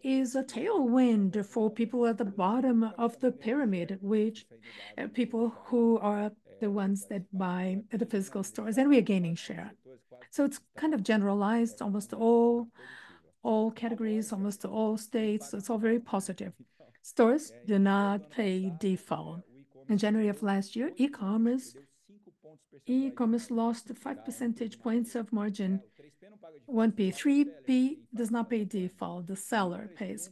is a tailwind for people at the bottom of the pyramid, which people who are the ones that buy at the physical stores, and we are gaining share. So it's kind of generalized almost to all categories, almost to all states, so it's all very positive. Stores do not pay default. In January of last year, e-commerce lost 5 percentage points of margin. 1P, 3P does not pay default, the seller pays.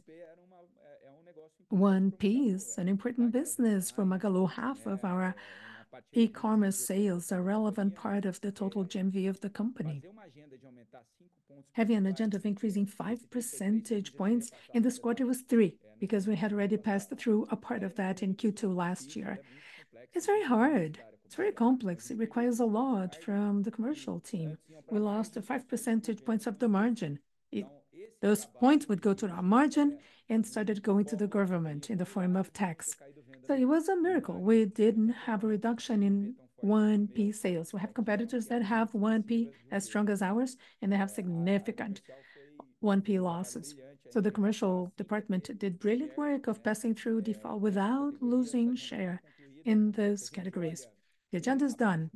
1P is an important business for Magalu. Half of our e-commerce sales are relevant part of the total GMV of the company. Having an agenda of increasing five percentage points, in this quarter was three, because we had already passed through a part of that in Q2 last year. It's very hard. It's very complex. It requires a lot from the commercial team. We lost the five percentage points of the margin. It. Those points would go to our margin, and started going to the government in the form of tax. So it was a miracle we didn't have a reduction in 1P sales. We have competitors that have 1P as strong as ours, and they have significant 1P losses. So the commercial department did brilliant work of passing through default without losing share in those categories. The agenda is done.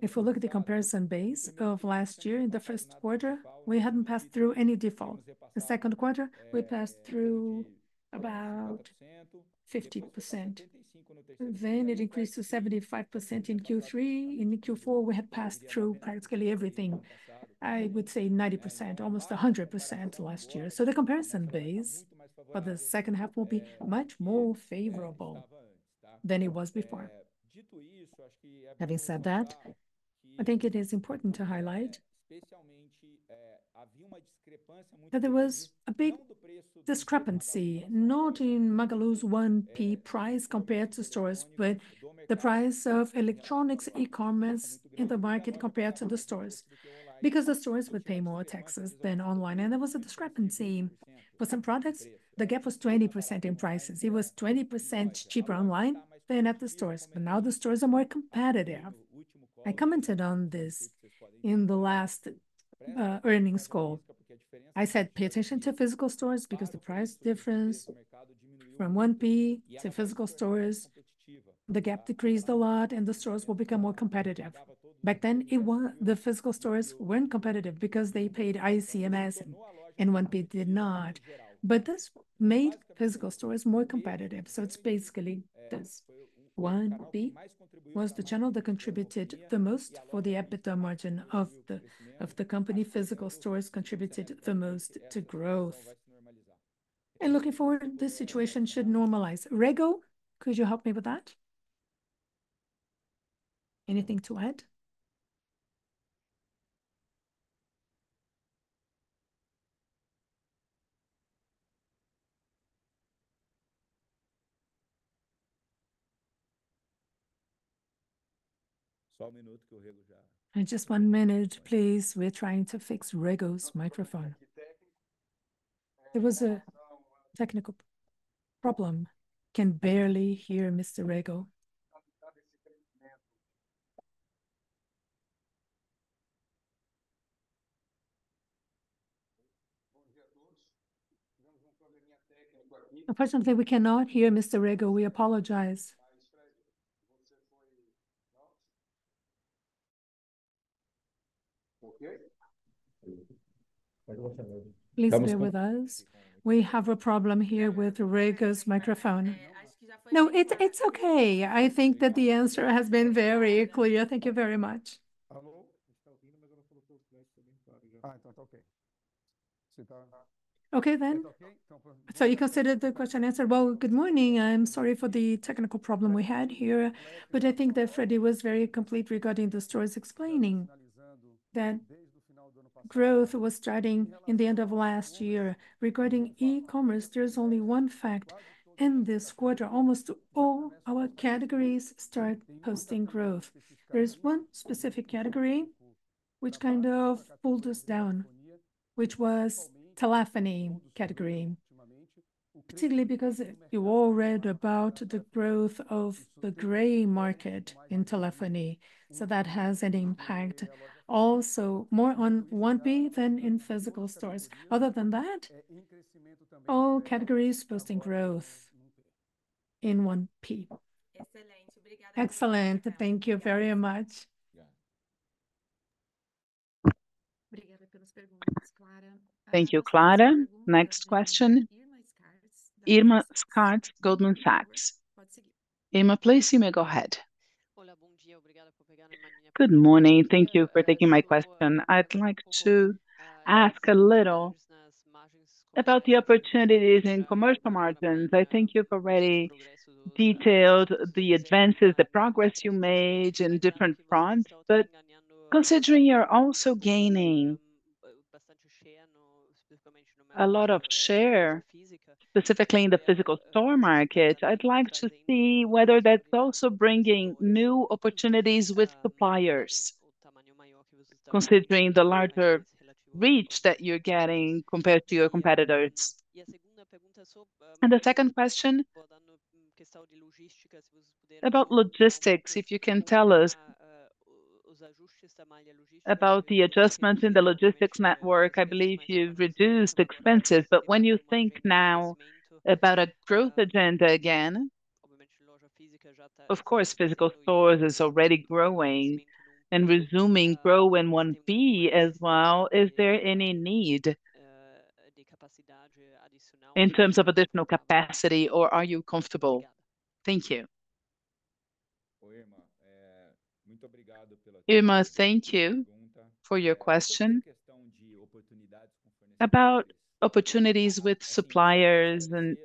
If we look at the comparison base of last year, in the first quarter, we hadn't passed through any default. The second quarter, we passed through about 50%, then it increased to 75% in Q3. In Q4, we had passed through practically everything, I would say 90%, almost 100% last year. So the comparison base for the second half will be much more favorable than it was before. Having said that, I think it is important to highlight that there was a big discrepancy, not in Magalu's 1P price compared to stores, but the price of electronics, e-commerce in the market compared to the stores. Because the stores would pay more taxes than online, and there was a discrepancy. For some products, the gap was 20% in prices. It was 20% cheaper online than at the stores, but now the stores are more competitive. I commented on this in the last earnings call. I said, "Pay attention to physical stores, because the price difference from 1P to physical stores, the gap decreased a lot, and the stores will become more competitive." Back then, it was the physical stores weren't competitive because they paid ICMS, and 1P did not. But this made physical stores more competitive, so it's basically this. 1P was the channel that contributed the most for the EBITDA margin of the company. Physical stores contributed the most to growth. Looking forward, this situation should normalize. Rego, could you help me with that? Anything to add? Just one minute, please. We're trying to fix Rego's microphone. There was a technical problem. Can barely hear Mr. Rego. Unfortunately, we cannot hear Mr. Rego. We apologize. Okay. Please bear with us. We have a problem here with Rego's microphone. I think he's already- No, it's, it's okay. I think that the answer has been very clear. Thank you very much. Hello? Okay. Okay, then. So you consider the question answered? Well, good morning. I'm sorry for the technical problem we had here, but I think that Freddy was very complete regarding the stories, explaining that growth was starting in the end of last year. Regarding e-commerce, there's only one fact. In this quarter, almost all our categories start posting growth. There's one specific category which kind of pulled us down, which was telephony category, particularly because you all read about the growth of the gray market in telephony. So that has an impact also more on 1P than in physical stores. Other than that, all categories posting growth in 1P. Excellent. Thank you very much. Yeah. Thank you, Clara. Next question, Irma Sgarz, Goldman Sachs. Irma, please, you may go ahead. Good morning. Thank you for taking my question. I'd like to ask a little about the opportunities in commercial margins. I think you've already detailed the advances, the progress you made in different fronts, but considering you're also gaining a lot of share, specifically in the physical store market, I'd like to see whether that's also bringing new opportunities with suppliers, considering the larger reach that you're getting compared to your competitors. And the second question, about logistics, if you can tell us about the adjustments in the logistics network. I believe you've reduced expenses, but when you think now about a growth agenda again, of course, physical stores is already growing and resuming growth in 1P as well. Is there any need in terms of additional capacity, or are you comfortable? Thank you. Irma, thank you for your question about opportunities with suppliers. And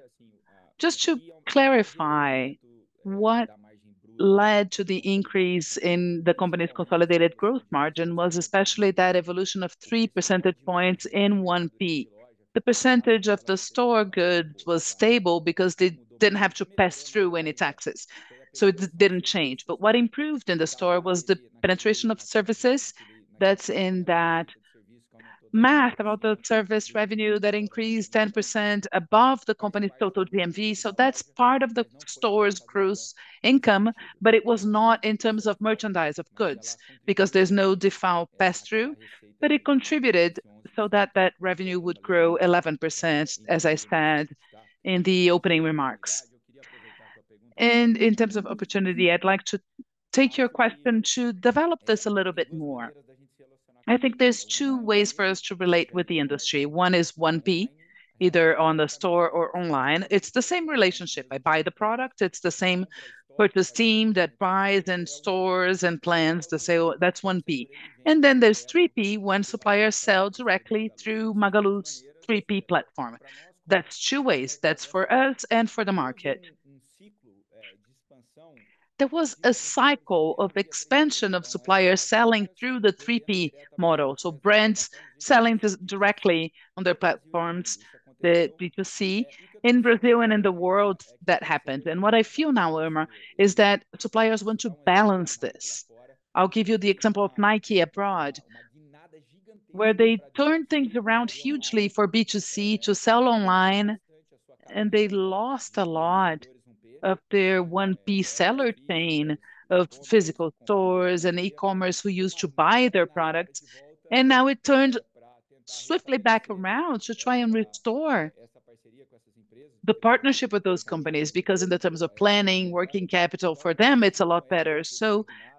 just to clarify, what led to the increase in the company's consolidated growth margin was especially that evolution of 3 percentage points in 1P. The percentage of the store goods was stable because they didn't have to pass through any taxes, so it didn't change. But what improved in the store was the penetration of services. That's in that math about the service revenue that increased 10% above the company's total GMV. So that's part of the store's gross income, but it was not in terms of merchandise, of goods, because there's no default pass-through. But it contributed so that that revenue would grow 11%, as I said in the opening remarks. And in terms of opportunity, I'd like to take your question to develop this a little bit more. I think there's two ways for us to relate with the industry. One is 1P, either on the store or online. It's the same relationship. I buy the product, it's the same purchase team that buys and stores and plans the sale. That's 1P. And then there's 3P, when suppliers sell directly through Magalu's 3P platform. That's two ways. That's for us and for the market. There was a cycle of expansion of suppliers selling through the 3P model, so brands selling this directly on their platforms, the B2C. In Brazil and in the world, that happened. And what I feel now, Irma, is that suppliers want to balance this. I'll give you the example of Nike abroad, where they turned things around hugely for B2C to sell online, and they lost a lot of their 1P seller chain of physical stores and e-commerce who used to buy their products. Now it turned swiftly back around to try and restore the partnership with those companies, because in the terms of planning, working capital, for them, it's a lot better.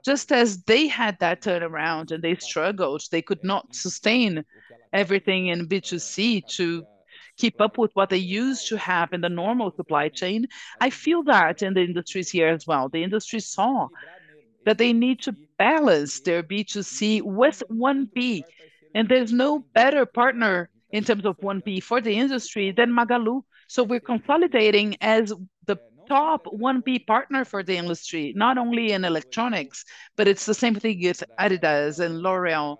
Just as they had that turnaround and they struggled, they could not sustain everything in B2C to keep up with what they used to have in the normal supply chain. I feel that in the industries here as well. The industry saw that they need to balance their B2C with 1P, and there's no better partner in terms of 1P for the industry than Magalu. We're consolidating as the top 1P partner for the industry, not only in electronics, but it's the same thing with Adidas and L'Oréal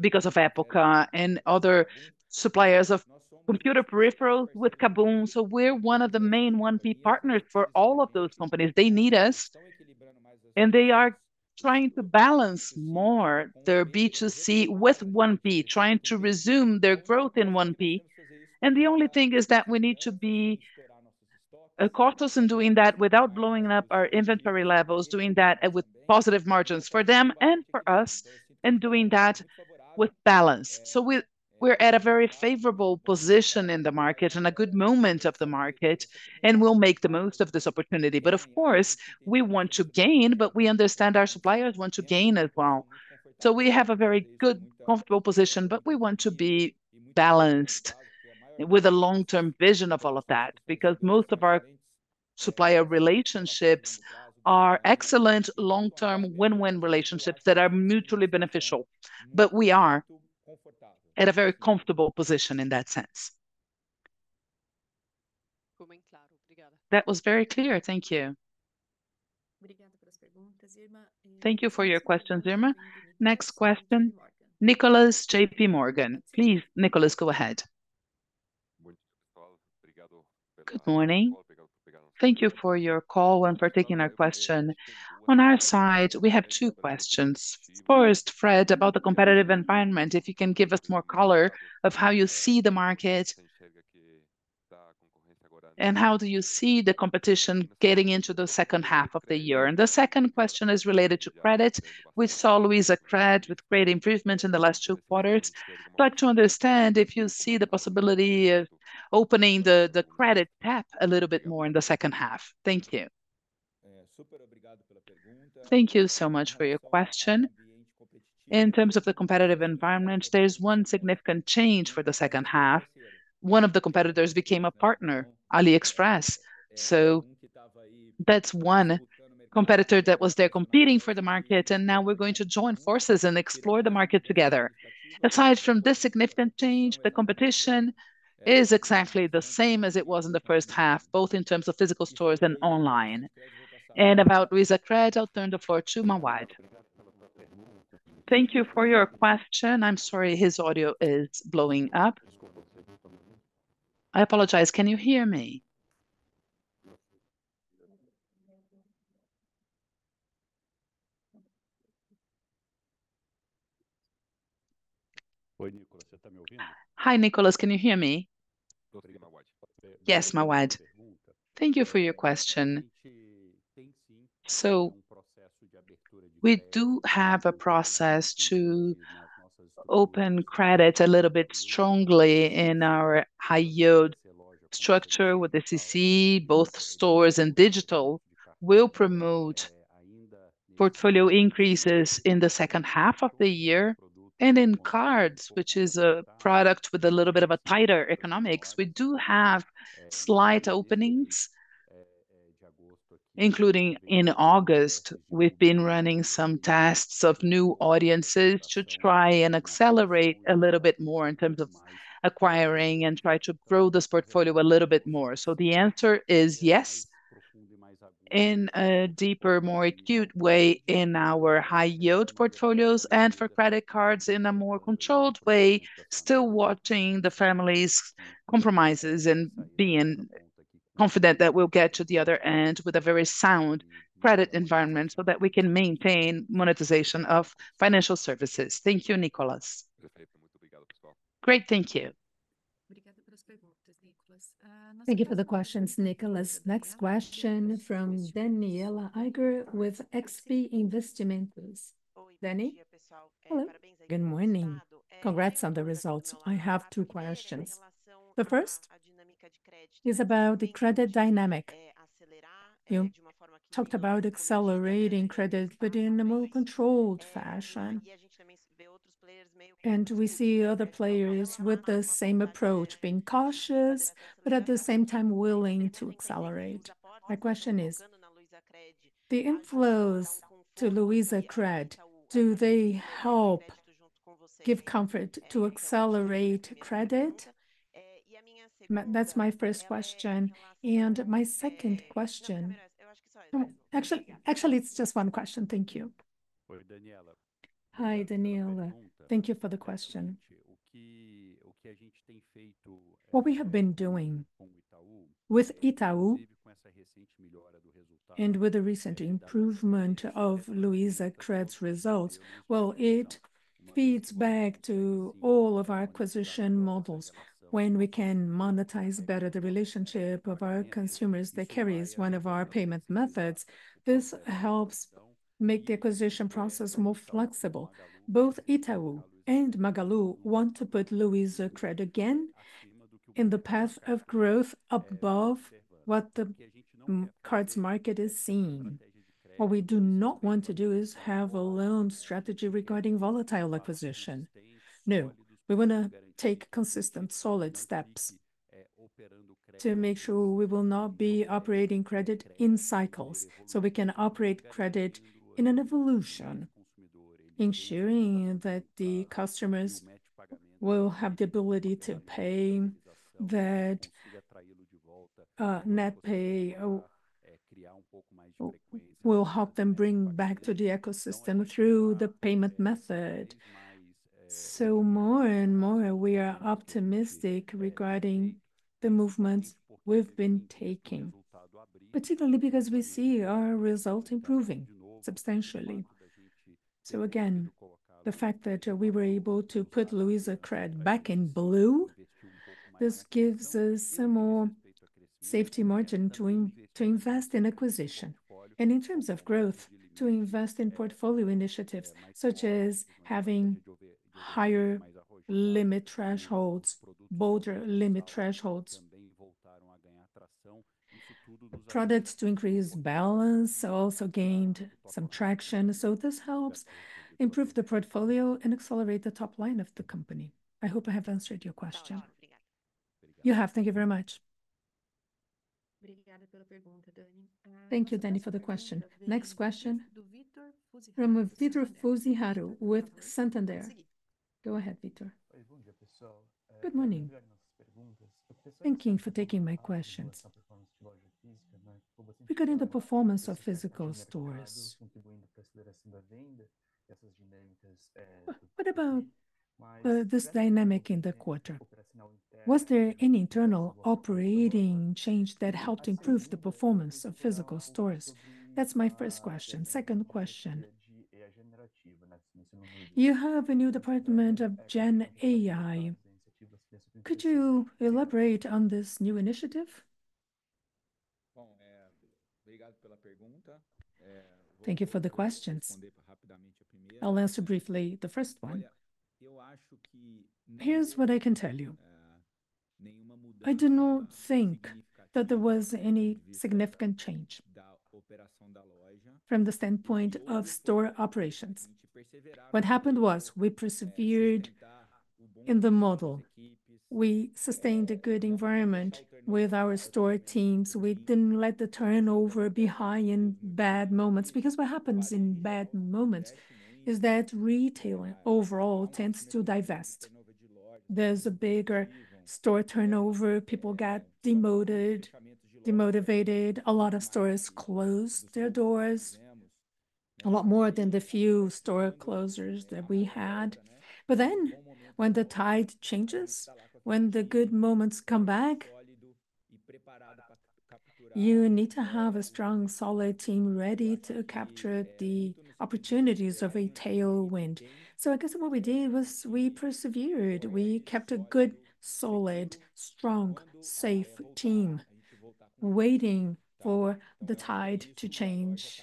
because of Época and other suppliers of computer peripherals with KaBuM! We're one of the main 1P partners for all of those companies. They need us, and they are trying to balance more their B2C with 1P, trying to resume their growth in 1P. And the only thing is that we need to be a cautious in doing that without blowing up our inventory levels, doing that with positive margins for them and for us, and doing that with balance. So we're at a very favorable position in the market, and a good moment of the market, and we'll make the most of this opportunity. But of course, we want to gain, but we understand our suppliers want to gain as well. So we have a very good, comfortable position, but we want to be balanced with a long-term vision of all of that. Because most of our supplier relationships are excellent long-term, win-win relationships that are mutually beneficial, but we are at a very comfortable position in that sense. That was very clear. Thank you. Thank you for your question, Irma. Next question, Nicholas, J.P. Morgan. Please, Nicholas, go ahead. Good morning. Thank you for your call, and for taking our question. On our side, we have two questions. First, Fred, about the competitive environment, if you can give us more color of how you see the market, and how do you see the competition getting into the second half of the year? And the second question is related to credit. We saw Luizacred with great improvements in the last two quarters, but to understand if you see the possibility of opening the credit tap a little bit more in the second half. Thank you. Thank you so much for your question. In terms of the competitive environment, there's one significant change for the second half. One of the competitors became a partner, AliExpress. So that's one competitor that was there competing for the market, and now we're going to join forces and explore the market together. Aside from this significant change, the competition is exactly the same as it was in the first half, both in terms of physical stores and online. And about Luizacred, I'll turn the floor to Mauad. Thank you for your question. I'm sorry, his audio is blowing up. I apologize, can you hear me? Hi, Nicholas, can you hear me? Yes, Mauad. Thank you for your question. So we do have a process to open credit a little bit strongly in our high-yield structure with the CC. Both stores and digital will promote portfolio increases in the second half of the year, and in cards, which is a product with a little bit of a tighter economics. We do have slight openings, including in August, we've been running some tests of new audiences to try and accelerate a little bit more in terms of acquiring, and try to grow this portfolio a little bit more. So the answer is yes, in a deeper, more acute way in our high-yield portfolios, and for credit cards in a more controlled way, still watching the family's compromises, and being confident that we'll get to the other end with a very sound credit environment, so that we can maintain monetization of financial services. Thank you, Nicolas. Great, thank you! Thank you for the questions, Nicholas. Next question from Daniela Eiger with XP Investimentos. Danny? Hello, good morning. Congrats on the results. I have two questions. The first is about the credit dynamic. You talked about accelerating credit, but in a more controlled fashion. And we see other players with the same approach, being cautious, but at the same time willing to accelerate. My question is, the inflows to Luizacred, do they help give comfort to accelerate credit? That's my first question, and my second question... Actually, actually, it's just one question. Thank you. Hi, Daniela. Thank you for the question. What we have been doing with Itaú and with the recent improvement of Luizacred's results, well, it feeds back to all of our acquisition models. When we can monetize better the relationship of our consumers, that carries one of our payment methods, this helps make the acquisition process more flexible. Both Itaú and Magalu want to put Luizacred again in the path of growth above what the cards market is seeing. What we do not want to do is have a loan strategy regarding volatile acquisition. No, we wanna take consistent, solid steps to make sure we will not be operating credit in cycles, so we can operate credit in an evolution, ensuring that the customers will have the ability to pay, that NetPay will help them bring back to the ecosystem through the payment method. More and more, we are optimistic regarding the movements we've been taking, particularly because we see our results improving substantially.... So again, the fact that we were able to put Luizacred back in blue, this gives us some more safety margin to to invest in acquisition, and in terms of growth, to invest in portfolio initiatives, such as having higher limit thresholds, bolder limit thresholds. Products to increase balance also gained some traction, so this helps improve the portfolio and accelerate the top line of the company. I hope I have answered your question. You have. Thank you very much. Thank you, Danny, for the question. Next question, from Victor Fuziharu with Santander. Go ahead, Victor. Good morning. Thank you for taking my questions. Regarding the performance of physical stores, what about this dynamic in the quarter? Was there any internal operating change that helped improve the performance of physical stores? That's my first question. Second question: You have a new department of Gen AI. Could you elaborate on this new initiative? Thank you for the questions. I'll answer briefly the first one. Here's what I can tell you. I do not think that there was any significant change from the standpoint of store operations. What happened was, we persevered in the model. We sustained a good environment with our store teams. We didn't let the turnover be high in bad moments, because what happens in bad moments is that retail overall tends to divest. There's a bigger store turnover, people get demoted, demotivated, a lot of stores closed their doors, a lot more than the few store closures that we had. But then, when the tide changes, when the good moments come back, you need to have a strong, solid team ready to capture the opportunities of a tailwind. So I guess what we did was we persevered. We kept a good, solid, strong, safe team, waiting for the tide to change,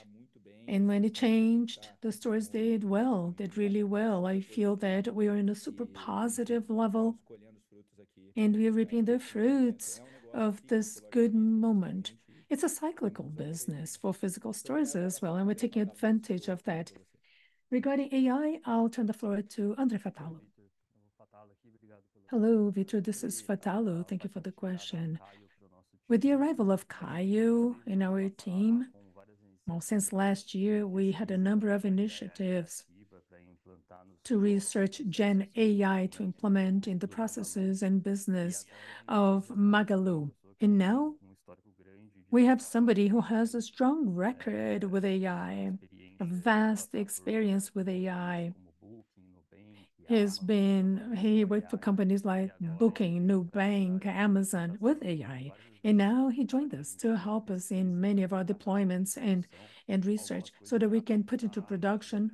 and when it changed, the stores did well, did really well. I feel that we are in a super positive level, and we are reaping the fruits of this good moment. It's a cyclical business for physical stores as well, and we're taking advantage of that. Regarding AI, I'll turn the floor to André Fatala. Hello, Victor. This is Fatala. Thank you for the question. With the arrival of Caio in our team, well, since last year, we had a number of initiatives to research Gen AI to implement in the processes and business of Magalu. And now, we have somebody who has a strong record with AI, a vast experience with AI. He's been... He worked for companies like Booking, Nubank, Amazon, with AI, and now he joined us to help us in many of our deployments and, and research so that we can put into production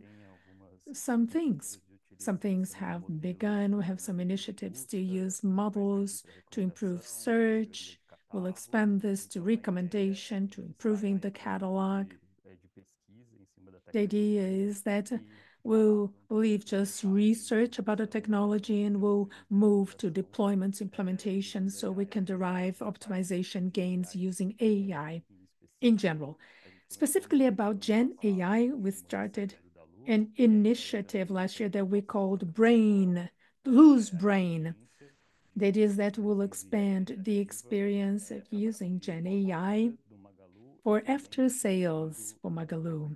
some things. Some things have begun. We have some initiatives to use models to improve search. We'll expand this to recommendation, to improving the catalog. The idea is that we'll leave just research about the technology, and we'll move to deployment implementation, so we can derive optimization gains using AI in general. Specifically about Gen AI, we started an initiative last year that we called Luiza Brain. That is, that will expand the experience of using Gen AI for after-sales for Magalu,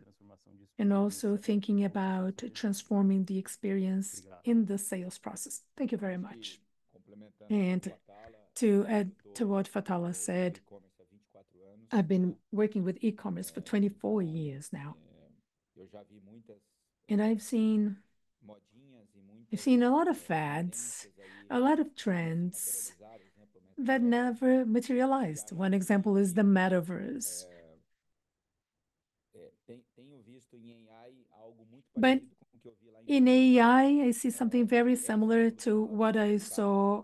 and also thinking about transforming the experience in the sales process. Thank you very much. To add to what Fatala said, I've been working with e-commerce for 24 years now. I've seen, I've seen a lot of fads, a lot of trends that never materialized. One example is the Metaverse. In AI, I see something very similar to what I saw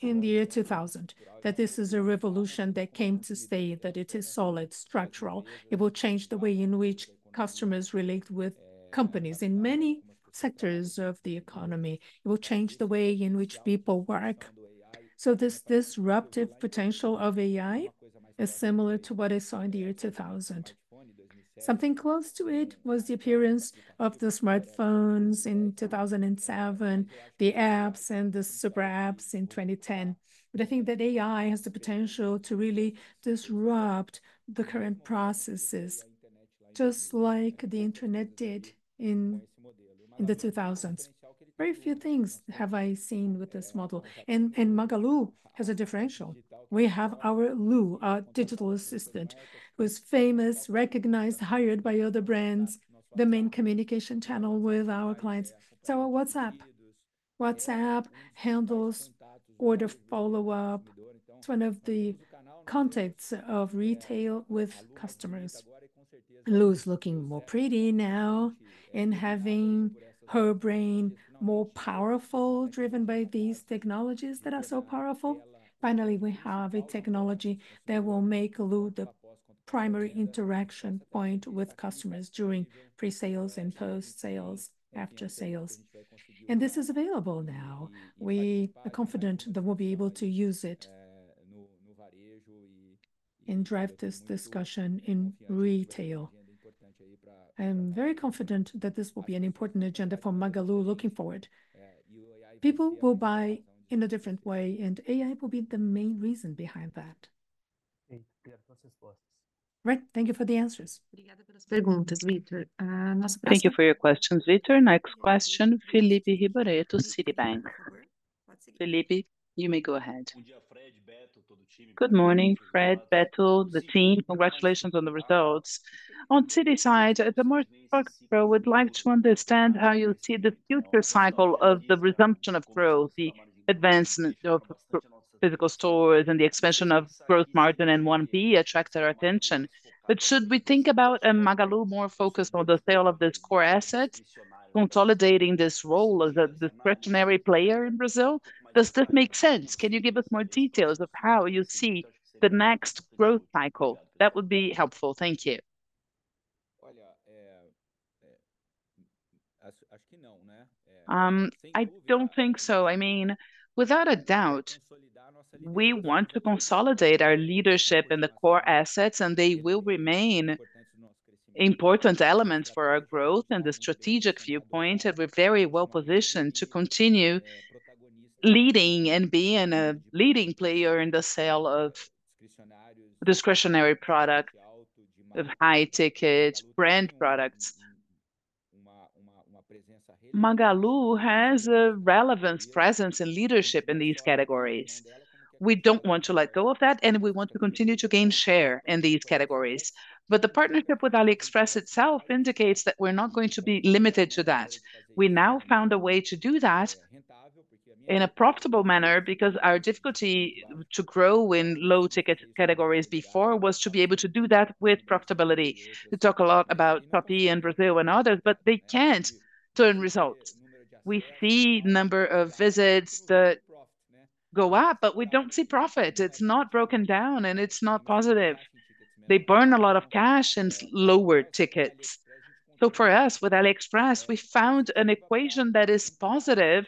in the year 2000, that this is a revolution that came to stay, that it is solid, structural. It will change the way in which customers relate with companies in many sectors of the economy. It will change the way in which people work. So this disruptive potential of AI is similar to what I saw in the year 2000. Something close to it was the appearance of the smartphones in 2007, the apps, and the super apps in 2010. But I think that AI has the potential to really disrupt the current processes, just like the internet did in the 2000s. Very few things have I seen with this model, and Magalu has a differential. We have our Lu, our digital assistant, who is famous, recognized, hired by other brands, the main communication channel with our clients. So our WhatsApp handles order follow-up. It's one of the contacts of retail with customers. Lu is looking more pretty now, and having her brain more powerful, driven by these technologies that are so powerful. Finally, we have a technology that will make Lu the primary interaction point with customers during pre-sales and post-sales, after sales, and this is available now. We are confident that we'll be able to use it, and drive this discussion in retail. I am very confident that this will be an important agenda for Magalu. Looking forward, people will buy in a different way, and AI will be the main reason behind that. Right, thank you for the answers. Thank you for your questions, Victor. Next question, Felipe Ribeiro, Citi. Felipe, you may go ahead. Good morning, Fred, Beto, the team. Congratulations on the results. On the Citi side, I'd like to understand how you see the future cycle of the resumption of growth, the advancement of physical stores, and the expansion of gross margin, and 1P attracted our attention. But should we think about a Magalu more focused on the sale of this core asset, consolidating this role as the, the discretionary player in Brazil? Does that make sense? Can you give us more details of how you see the next growth cycle? That would be helpful. Thank you. I don't think so. I mean, without a doubt, we want to consolidate our leadership in the core assets, and they will remain important elements for our growth and the strategic viewpoint, and we're very well positioned to continue leading and being a leading player in the sale of discretionary product, of high-ticket brand products. Magalu has a relevant presence and leadership in these categories. We don't want to let go of that, and we want to continue to gain share in these categories. But the partnership with AliExpress itself indicates that we're not going to be limited to that. We now found a way to do that in a profitable manner, because our difficulty to grow in low-ticket categories before was to be able to do that with profitability. We talk a lot about Shopee and Brazil and others, but they can't turn results. We see number of visits that go up, but we don't see profit. It's not broken down, and it's not positive. They burn a lot of cash in lower tickets. So for us, with AliExpress, we found an equation that is positive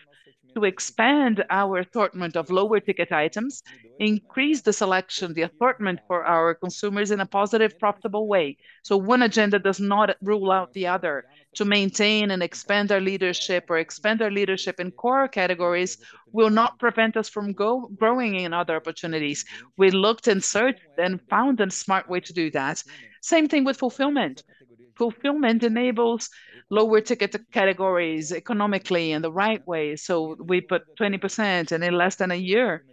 to expand our assortment of lower-ticket items, increase the selection, the assortment for our consumers in a positive, profitable way. So one agenda does not rule out the other. To maintain and expand our leadership or expand our leadership in core categories will not prevent us from growing in other opportunities. We looked and searched and found a smart way to do that. Same thing with fulfillment. Fulfillment enables lower-ticket categories economically in the right way, so we put 20% and in less than a year...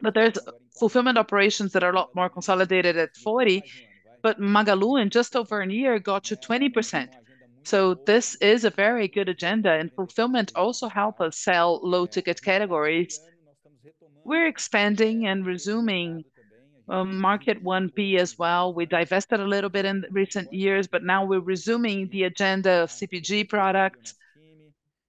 But there's fulfillment operations that are a lot more consolidated at 40%, but Magalu, in just over a year, got to 20%. So this is a very good agenda, and fulfillment also help us sell low-ticket categories. We're expanding and resuming market 1P as well. We divested a little bit in recent years, but now we're resuming the agenda of CPG product,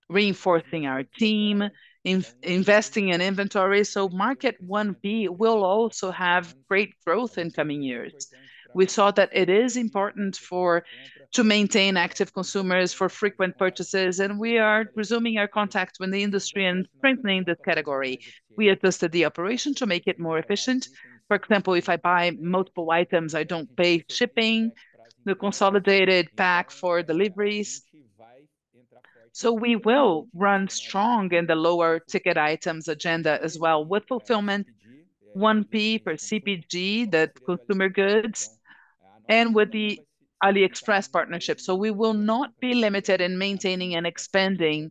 reinforcing our team, investing in inventory. So market 1P will also have great growth in coming years. We saw that it is important to maintain active consumers for frequent purchases, and we are resuming our contacts with the industry and strengthening the category. We adjusted the operation to make it more efficient. For example, if I buy multiple items, I don't pay shipping, the consolidated pack for deliveries. So we will run strong in the lower-ticket items agenda as well, with fulfillment, 1P for CPG, the consumer goods, and with the AliExpress partnership. So we will not be limited in maintaining and expanding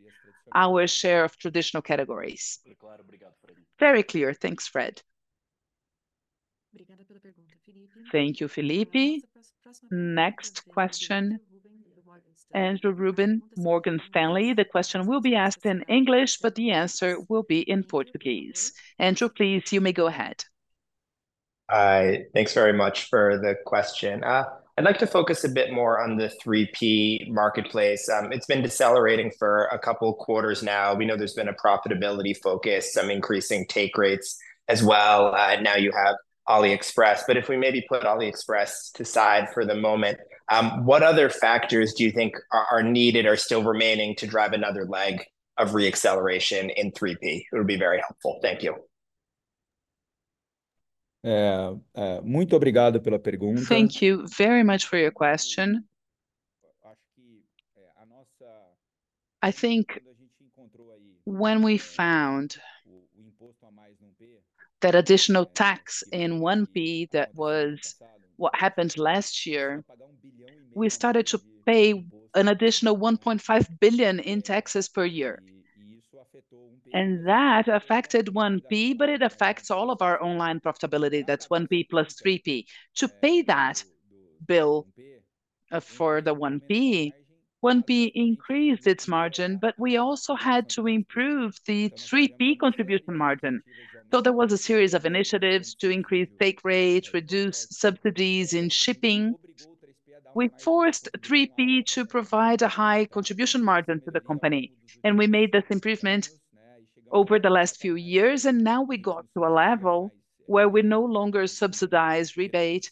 our share of traditional categories. Very clear. Thanks, Fred. Thank you, Felipe. Next question, Andrew Ruben, Morgan Stanley. The question will be asked in English, but the answer will be in Portuguese. Andrew, please, you may go ahead. Hi. Thanks very much for the question. I'd like to focus a bit more on the 3P marketplace. It's been decelerating for a couple quarters now. We know there's been a profitability focus, some increasing take rates as well. Now you have AliExpress, but if we maybe put AliExpress aside for the moment, what other factors do you think are needed, or still remaining to drive another leg of re-acceleration in 3P? It would be very helpful. Thank you. Thank you very much for your question. I think when we found that additional tax in 1P, that was what happened last year, we started to pay an additional 1.5 billion in taxes per year, and that affected 1P, but it affects all of our online profitability. That's 1P plus 3P. To pay that bill for the 1P. 1P increased its margin, but we also had to improve the 3P contribution margin. So there was a series of initiatives to increase take rate, reduce subsidies in shipping. We forced 3P to provide a high contribution margin to the company, and we made this improvement over the last few years, and now we got to a level where we no longer subsidize rebate.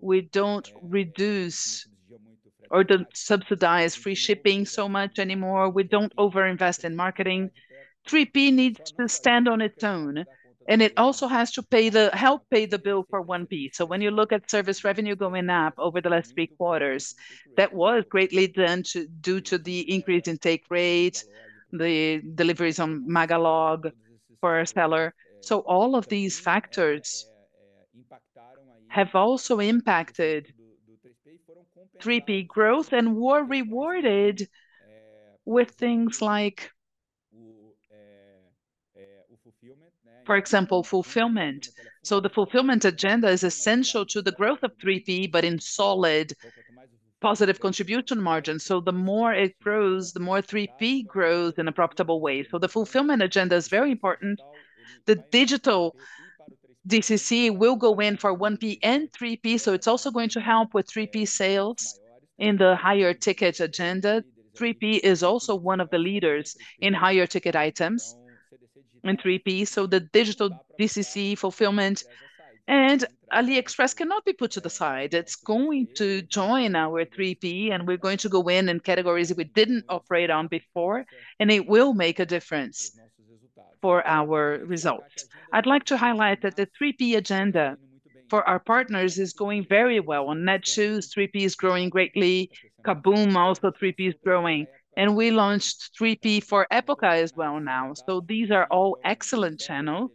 We don't reduce or don't subsidize free shipping so much anymore. We don't over-invest in marketing. 3P needs to stand on its own, and it also has to pay the... help pay the bill for 1P. So when you look at service revenue going up over the last three quarters, that was greatly due to the increase in take rate, the deliveries on Magalu for a seller. So all of these factors have also impacted 3P growth and were rewarded with things like, for example, fulfillment. So the fulfillment agenda is essential to the growth of 3P, but in solid, positive contribution margin. So the more it grows, the more 3P grows in a profitable way. So the fulfillment agenda is very important. The digital DCC will go in for 1P and 3P, so it's also going to help with 3P sales in the higher tickets agenda. 3P is also one of the leaders in higher-ticket items in 3P, so the digital DCC fulfillment. AliExpress cannot be put to the side. It's going to join our 3P, and we're going to go in in categories that we didn't operate on before, and it will make a difference for our results. I'd like to highlight that the 3P agenda for our partners is going very well. On Netshoes, 3P is growing greatly. KaBuM!, also 3P is growing. We launched 3P for Época as well now. So these are all excellent channels.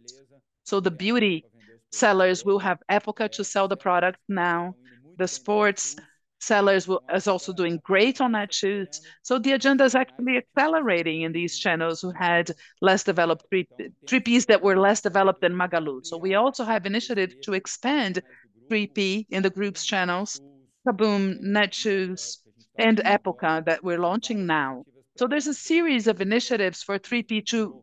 So the beauty sellers will have Época to sell the product now. The sports sellers is also doing great on Netshoes. So the agenda is actually accelerating in these channels who had less developed 3P, 3Ps that were less developed than Magalu. So we also have initiative to expand 3P in the group's channels, KaBuM!, Netshoes, and Época, that we're launching now. So there's a series of initiatives for 3P to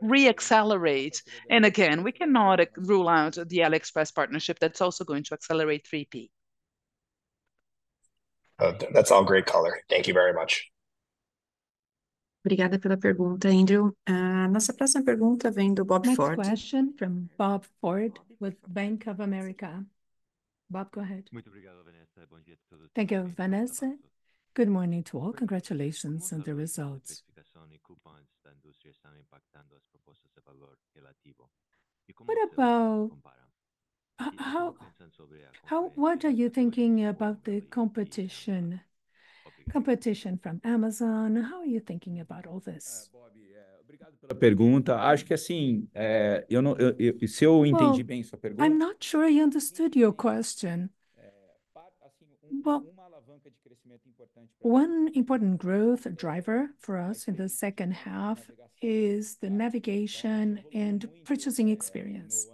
re-accelerate, and again, we cannot rule out the AliExpress partnership. That's also going to accelerate 3P. That's all great color. Thank you very much. Next question from Bob Ford with Bank of America. Bob, go ahead. Thank you, Vanessa. Good morning to all. Congratulations on the results. What about... how... What are you thinking about the competition from Amazon? How are you thinking about all this? Well, I'm not sure I understood your question. But one important growth driver for us in the second half is the navigation and purchasing experience.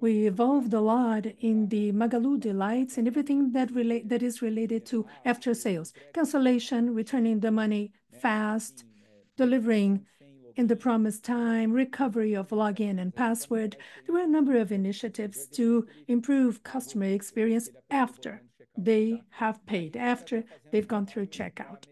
We evolved a lot in the Magalu delights and everything that relate-- that is related to after sales: cancellation, returning the money fast, delivering in the promised time, recovery of login and password. There were a number of initiatives to improve customer experience after they have paid, after they've gone through checkout.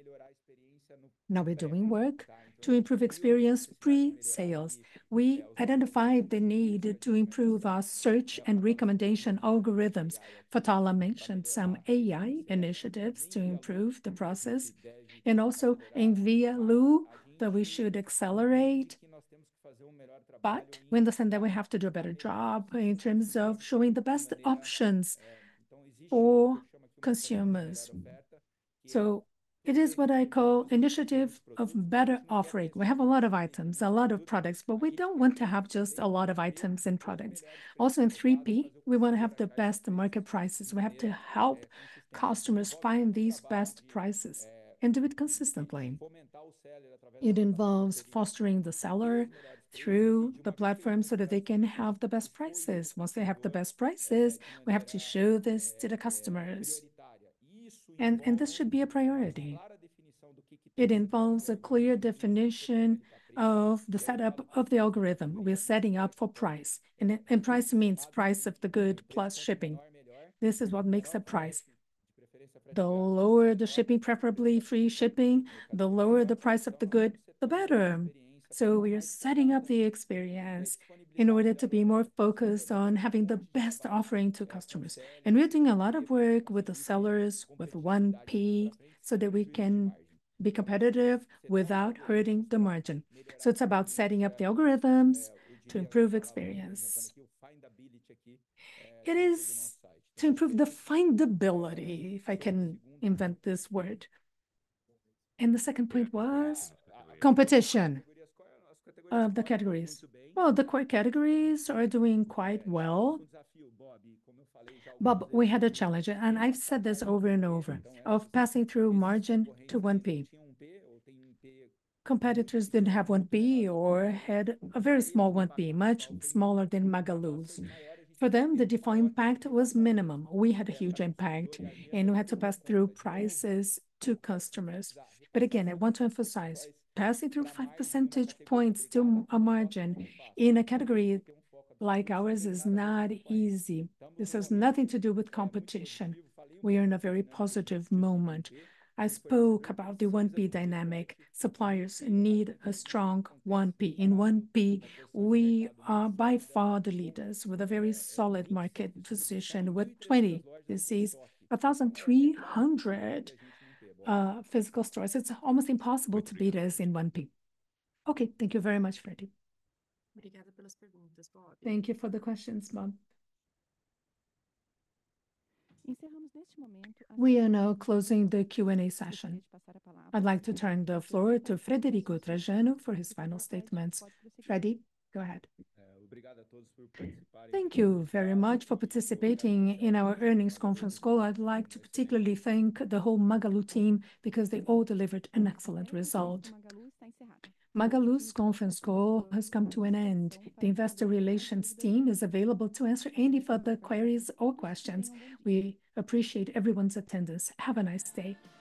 Now we're doing work to improve experience pre-sales. We identified the need to improve our search and recommendation algorithms. Fatala mentioned some AI initiatives to improve the process, and also in the journey that we should accelerate. But we understand that we have to do a better job in terms of showing the best options for consumers. So it is what I call initiative of better offering. We have a lot of items, a lot of products, but we don't want to have just a lot of items and products. Also, in 3P, we want to have the best market prices. We have to help customers find these best prices and do it consistently. It involves fostering the seller through the platform so that they can have the best prices. Once they have the best prices, we have to show this to the customers, and, and this should be a priority. It involves a clear definition of the setup of the algorithm we're setting up for price, and, and price means price of the good plus shipping. This is what makes a price. The lower the shipping, preferably free shipping, the lower the price of the good, the better. So we are setting up the experience in order to be more focused on having the best offering to customers. And we are doing a lot of work with the sellers, with 1P, so that we can be competitive without hurting the margin. So it's about setting up the algorithms to improve experience. It is to improve the findability, if I can invent this word. And the second point was competition of the categories. Well, the core categories are doing quite well. Bob, we had a challenge, and I've said this over and over, of passing through margin to 1P. Competitors didn't have 1P or had a very small 1P, much smaller than Magalu's. For them, the default impact was minimum. We had a huge impact, and we had to pass through prices to customers. But again, I want to emphasize, passing through 5 percentage points to a margin in a category like ours is not easy. This has nothing to do with competition. We are in a very positive moment. I spoke about the 1P dynamic. Suppliers need a strong 1P. In 1P, we are by far the leaders with a very solid market position, with twenty... this is 1,300 physical stores. It's almost impossible to beat us in 1P. Okay, thank you very much, Freddy. Thank you for the questions, Bob. We are now closing the Q&A session. I'd like to turn the floor to Frederico Trajano for his final statements. Freddy, go ahead. Thank you very much for participating in our earnings conference call. I'd like to particularly thank the whole Magalu team, because they all delivered an excellent result. Magalu's conference call has come to an end. The investor relations team is available to answer any further queries or questions. We appreciate everyone's attendance. Have a nice day.